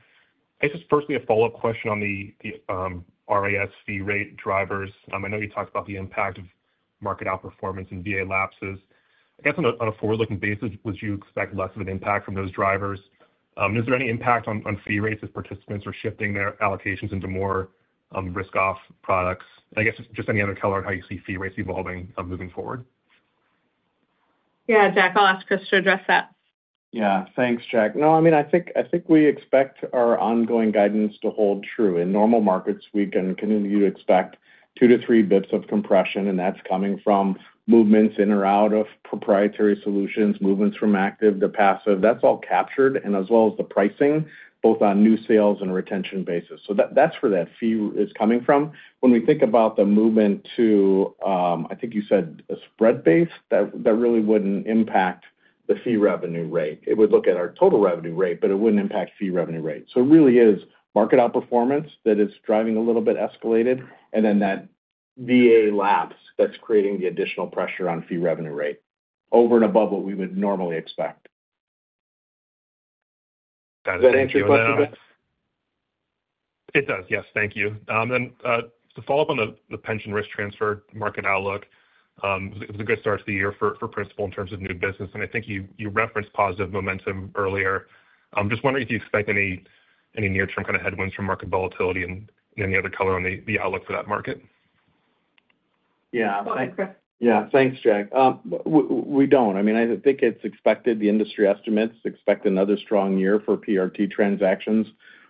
guess just firstly a follow-up question on the RIS fee rate drivers. I know you talked about the impact of market outperformance and VA lapses. I guess on a forward-looking basis, would you expect less of an impact from those drivers? Is there any impact on fee rates if participants are shifting their allocations into more risk-off products? I guess just any other color on how you see fee rates evolving moving forward. Yeah, Jack, I'll ask Chris to address that. Yeah. Thanks, Jack. No, I mean, I think we expect our ongoing guidance to hold true. In normal markets, we can continue to expect 2 basis points-3 basis points of compression. That is coming from movements in or out of proprietary solutions, movements from active to passive. That is all captured, and as well as the pricing, both on new sales and retention basis. That is where that fee is coming from. When we think about the movement to, I think you said, a spread base, that really would not impact the fee revenue rate. It would look at our total revenue rate, but it would not impact fee revenue rate. It really is market outperformance that is driving a little bit escalated, and then that VA lapse that is creating the additional pressure on fee revenue rate over and above what we would normally expect. Does that answer your question? It does. Yes. Thank you. To follow up on the pension risk transfer market outlook, it was a good start to the year for Principal in terms of new business. I think you referenced positive momentum earlier. I'm just wondering if you expect any near-term kind of headwinds from market volatility and any other color on the outlook for that market. Yeah. Yeah. Thanks, Jack. We do not. I mean, I think it is expected. The industry estimates expect another strong year for PRT transactions.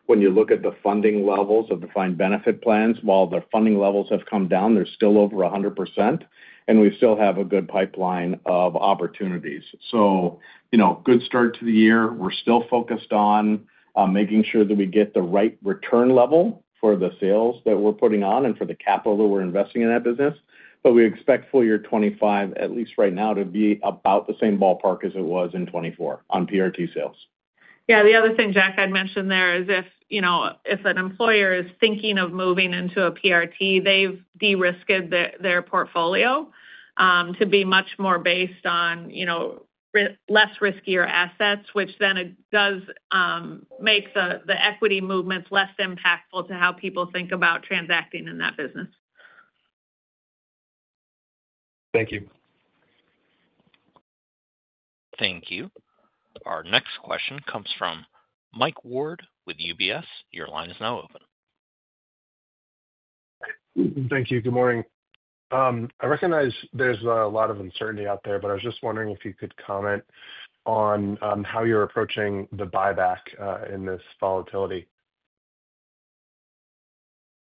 When you look at the funding levels of defined benefit plans, while the funding levels have come down, they are still over 100%. We still have a good pipeline of opportunities. Good start to the year. We are still focused on making sure that we get the right return level for the sales that we are putting on and for the capital that we are investing in that business. We expect full year 2025, at least right now, to be about the same ballpark as it was in 2024 on PRT sales. Yeah. The other thing, Jack, I'd mention there is if an employer is thinking of moving into a PRT, they've de-risked their portfolio to be much more based on less riskier assets, which then does make the equity movements less impactful to how people think about transacting in that business. Thank you. Thank you. Our next question comes from Mike Ward with UBS. Your line is now open. Thank you. Good morning. I recognize there's a lot of uncertainty out there, but I was just wondering if you could comment on how you're approaching the buyback in this volatility.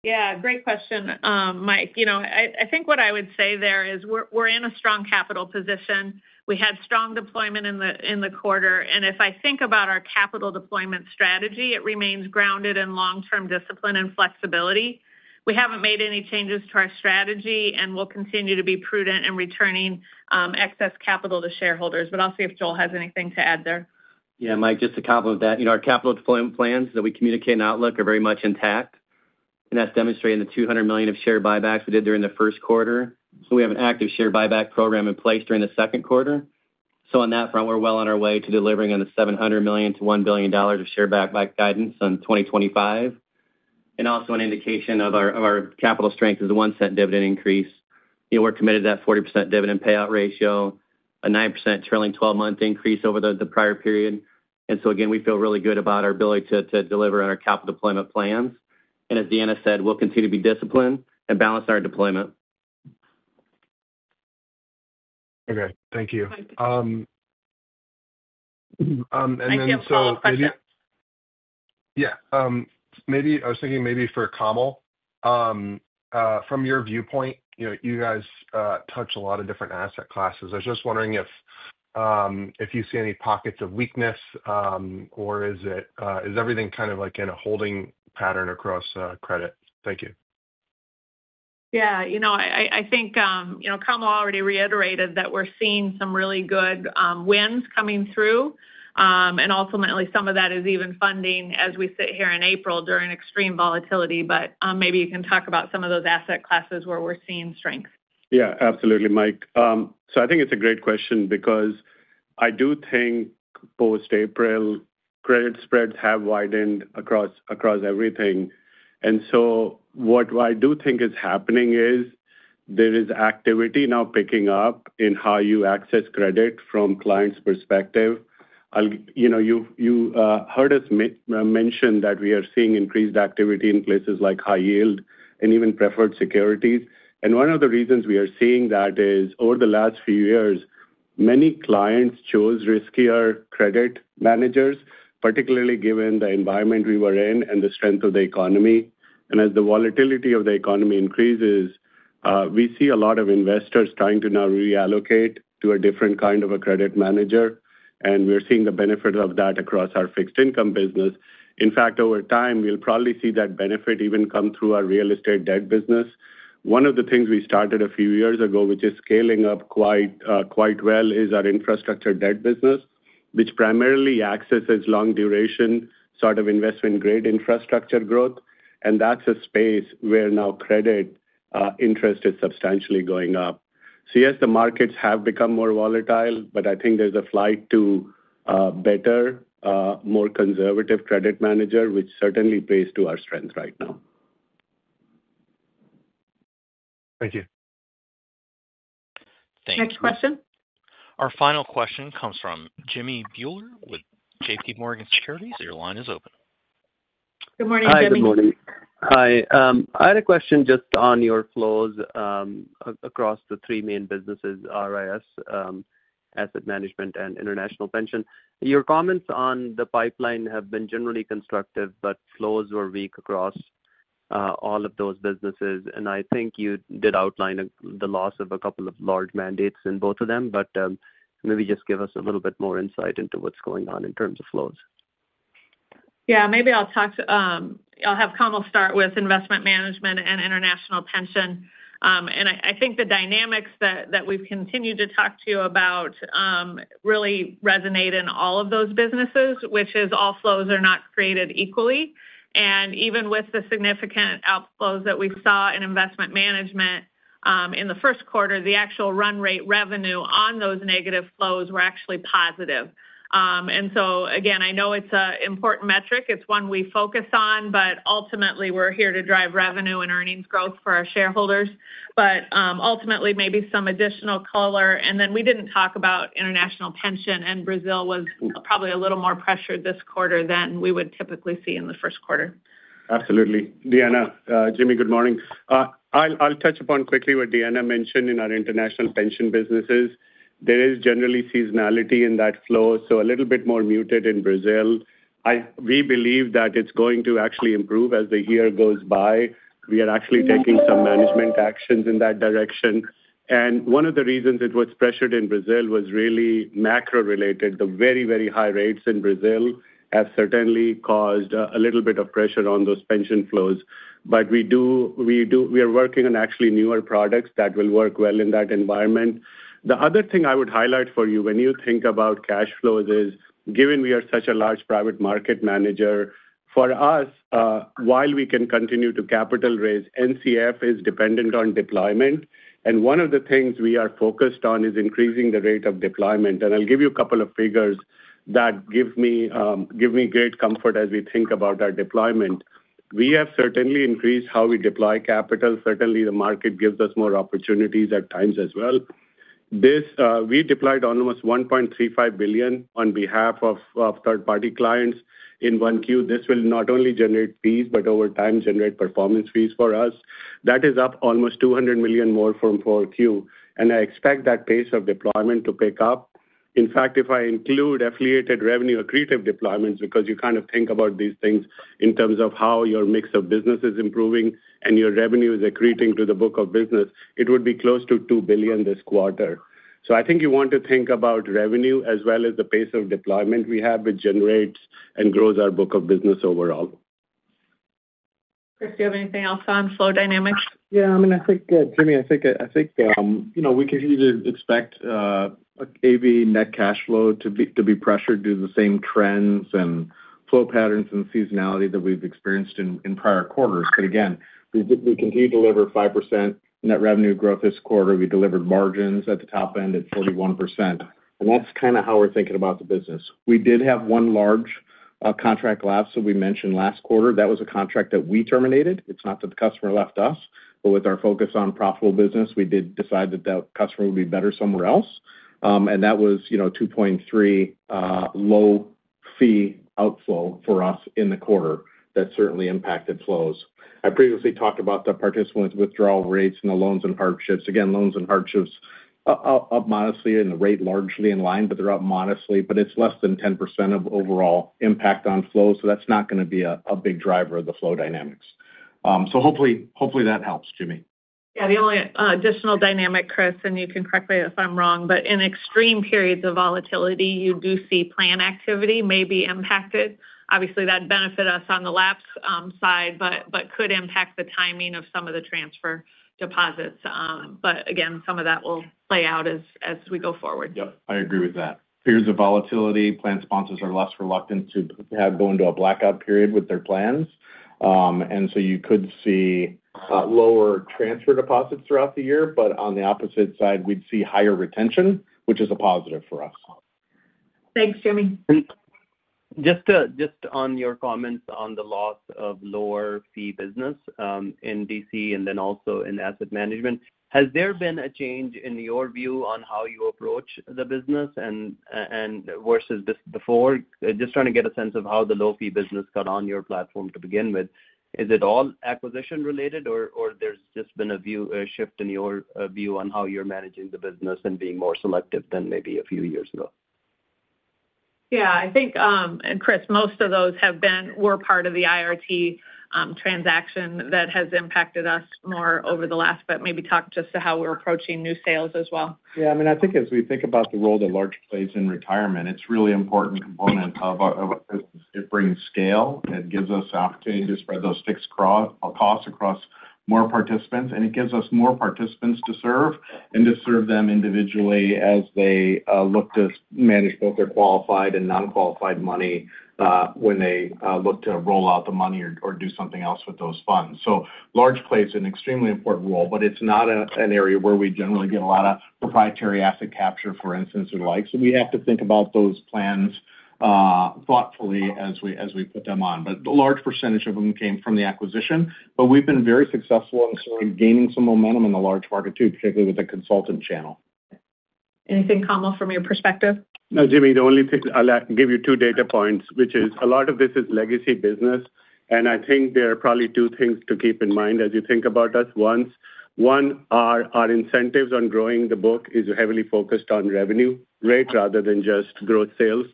Yeah. Great question, Mike. I think what I would say there is we're in a strong capital position. We had strong deployment in the quarter. If I think about our capital deployment strategy, it remains grounded in long-term discipline and flexibility. We haven't made any changes to our strategy, and we'll continue to be prudent in returning excess capital to shareholders. I'll see if Joel has anything to add there. Yeah, Mike, just to complement that, our capital deployment plans that we communicate and outlook are very much intact. That is demonstrated in the $200 million of share buybacks we did during the first quarter. We have an active share buyback program in place during the second quarter. On that front, we are well on our way to delivering on the $700 million-$1 billion of share buyback guidance in 2025. Also, an indication of our capital strength is the $0.01 dividend increase. We are committed to that 40% dividend payout ratio, a 9% trailing 12-month increase over the prior period. Again, we feel really good about our ability to deliver on our capital deployment plans. As Deanna said, we will continue to be disciplined and balance our deployment. Okay. Thank you. Thank you. Maybe. I can follow, Chris. Yeah. I was thinking maybe for Kamal, from your viewpoint, you guys touch a lot of different asset classes. I was just wondering if you see any pockets of weakness, or is everything kind of like in a holding pattern across credit? Thank you. Yeah. I think Kamal already reiterated that we're seeing some really good wins coming through. Ultimately, some of that is even funding as we sit here in April during extreme volatility. Maybe you can talk about some of those asset classes where we're seeing strength. Yeah. Absolutely, Mike. I think it's a great question because I do think post-April, credit spreads have widened across everything. What I do think is happening is there is activity now picking up in how you access credit from clients' perspective. You heard us mention that we are seeing increased activity in places like high yield and even preferred securities. One of the reasons we are seeing that is over the last few years, many clients chose riskier credit managers, particularly given the environment we were in and the strength of the economy. As the volatility of the economy increases, we see a lot of investors trying to now reallocate to a different kind of a credit manager. We are seeing the benefit of that across our fixed income business. In fact, over time, we'll probably see that benefit even come through our real estate debt business. One of the things we started a few years ago, which is scaling up quite well, is our infrastructure debt business, which primarily accesses long-duration sort of investment-grade infrastructure growth. That's a space where now credit interest is substantially going up. Yes, the markets have become more volatile, but I think there's a flight to better, more conservative credit manager, which certainly plays to our strength right now. Thank you. Thank you. Next question. Our final question comes from Jimmy Bhullar with JPMorgan Securities. Your line is open. Good morning, Jimmy. Hi, good morning. Hi. I had a question just on your flows across the three main businesses, RIS, asset management, and international pension. Your comments on the pipeline have been generally constructive, but flows were weak across all of those businesses. I think you did outline the loss of a couple of large mandates in both of them. Maybe just give us a little bit more insight into what's going on in terms of flows. Yeah. Maybe I'll have Kamal start with investment management and international pension. I think the dynamics that we've continued to talk to you about really resonate in all of those businesses, which is all flows are not created equally. Even with the significant outflows that we saw in investment management in the first quarter, the actual run rate revenue on those negative flows were actually positive. I know it's an important metric. It's one we focus on. Ultimately, we're here to drive revenue and earnings growth for our shareholders. Ultimately, maybe some additional color. We didn't talk about international pension. Brazil was probably a little more pressured this quarter than we would typically see in the first quarter. Absolutely. Deanna, Jimmy, good morning. I'll touch upon quickly what Deanna mentioned in our international pension businesses. There is generally seasonality in that flow, so a little bit more muted in Brazil. We believe that it's going to actually improve as the year goes by. We are actually taking some management actions in that direction. One of the reasons it was pressured in Brazil was really macro-related. The very, very high rates in Brazil have certainly caused a little bit of pressure on those pension flows. We are working on actually newer products that will work well in that environment. The other thing I would highlight for you when you think about cash flows is, given we are such a large private market manager, for us, while we can continue to capital raise, NCF is dependent on deployment. One of the things we are focused on is increasing the rate of deployment. I'll give you a couple of figures that give me great comfort as we think about our deployment. We have certainly increased how we deploy capital. Certainly, the market gives us more opportunities at times as well. We deployed almost $1.35 billion on behalf of third-party clients in 1Q. This will not only generate fees, but over time, generate performance fees for us. That is up almost $200 million more from 4Q. I expect that pace of deployment to pick up. In fact, if I include affiliated revenue accretive deployments, because you kind of think about these things in terms of how your mix of business is improving and your revenue is accreting to the book of business, it would be close to $2 billion this quarter. I think you want to think about revenue as well as the pace of deployment we have, which generates and grows our book of business overall. Chris, do you have anything else on flow dynamics? Yeah. I mean, I think, Jimmy, I think we continue to expect AV net cash flow to be pressured due to the same trends and flow patterns and seasonality that we've experienced in prior quarters. Again, we continue to deliver 5% net revenue growth this quarter. We delivered margins at the top end at 41%. That's kind of how we're thinking about the business. We did have one large contract lapse that we mentioned last quarter. That was a contract that we terminated. It's not that the customer left us. With our focus on profitable business, we did decide that the customer would be better somewhere else. That was $2.3 billion low fee outflow for us in the quarter that certainly impacted flows. I previously talked about the participant withdrawal rates and the loans and hardships. Again, loans and hardships up modestly and the rate largely in line, but they're up modestly. It is less than 10% of overall impact on flows. That is not going to be a big driver of the flow dynamics. Hopefully that helps, Jimmy. Yeah. The only additional dynamic, Chris, and you can correct me if I'm wrong, but in extreme periods of volatility, you do see plan activity may be impacted. Obviously, that benefits us on the lapse side, but could impact the timing of some of the transfer deposits. Again, some of that will play out as we go forward. Yep. I agree with that. Periods of volatility, plan sponsors are less reluctant to go into a blackout period with their plans. You could see lower transfer deposits throughout the year. On the opposite side, we'd see higher retention, which is a positive for us. Thanks, Jimmy. Just on your comments on the loss of lower fee business in DC and then also in asset management, has there been a change in your view on how you approach the business versus before? Just trying to get a sense of how the low fee business got on your platform to begin with. Is it all acquisition related, or there's just been a shift in your view on how you're managing the business and being more selective than maybe a few years ago? Yeah. I think, Chris, most of those have been part of the IRT transaction that has impacted us more over the last, but maybe talk just to how we're approaching new sales as well. Yeah. I mean, I think as we think about the role that large plays in retirement, it's a really important component of our business. It brings scale. It gives us opportunity to spread those fixed costs across more participants. It gives us more participants to serve and to serve them individually as they look to manage both their qualified and non-qualified money when they look to roll out the money or do something else with those funds. Large plays are an extremely important role, but it's not an area where we generally get a lot of proprietary asset capture, for instance, and like. We have to think about those plans thoughtfully as we put them on. The large percentage of them came from the acquisition. We've been very successful in sort of gaining some momentum in the large market too, particularly with the consultant channel. Anything, Kamal, from your perspective? No, Jimmy, the only thing I'll give you two data points, which is a lot of this is legacy business. I think there are probably two things to keep in mind as you think about us. One, our incentives on growing the book is heavily focused on revenue rate rather than just gross sales.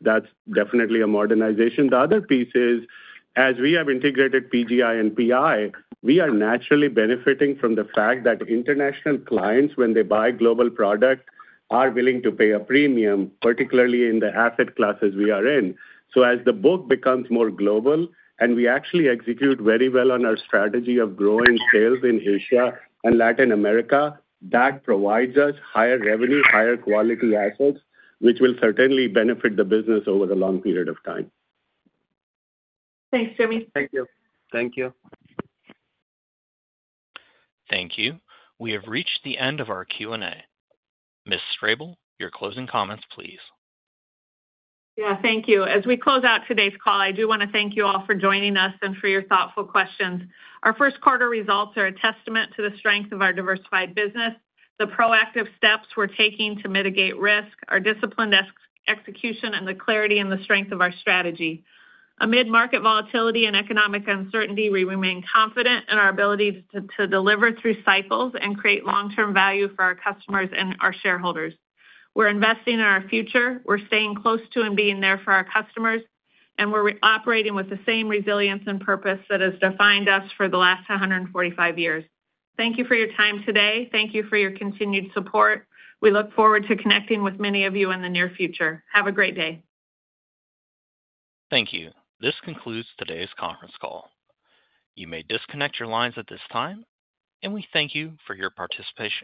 That's definitely a modernization. The other piece is, as we have integrated PGI and PI, we are naturally benefiting from the fact that international clients, when they buy global product, are willing to pay a premium, particularly in the asset classes we are in. As the book becomes more global and we actually execute very well on our strategy of growing sales in Asia and Latin America, that provides us higher revenue, higher quality assets, which will certainly benefit the business over the long period of time. Thanks, Jimmy. Thank you. Thank you. Thank you. We have reached the end of our Q&A. Ms. Strable, your closing comments, please. Yeah. Thank you. As we close out today's call, I do want to thank you all for joining us and for your thoughtful questions. Our first quarter results are a testament to the strength of our diversified business, the proactive steps we're taking to mitigate risk, our disciplined execution, and the clarity and the strength of our strategy. Amid market volatility and economic uncertainty, we remain confident in our ability to deliver through cycles and create long-term value for our customers and our shareholders. We're investing in our future. We're staying close to and being there for our customers. We're operating with the same resilience and purpose that has defined us for the last 145 years. Thank you for your time today. Thank you for your continued support. We look forward to connecting with many of you in the near future. Have a great day. Thank you. This concludes today's conference call. You may disconnect your lines at this time. We thank you for your participation.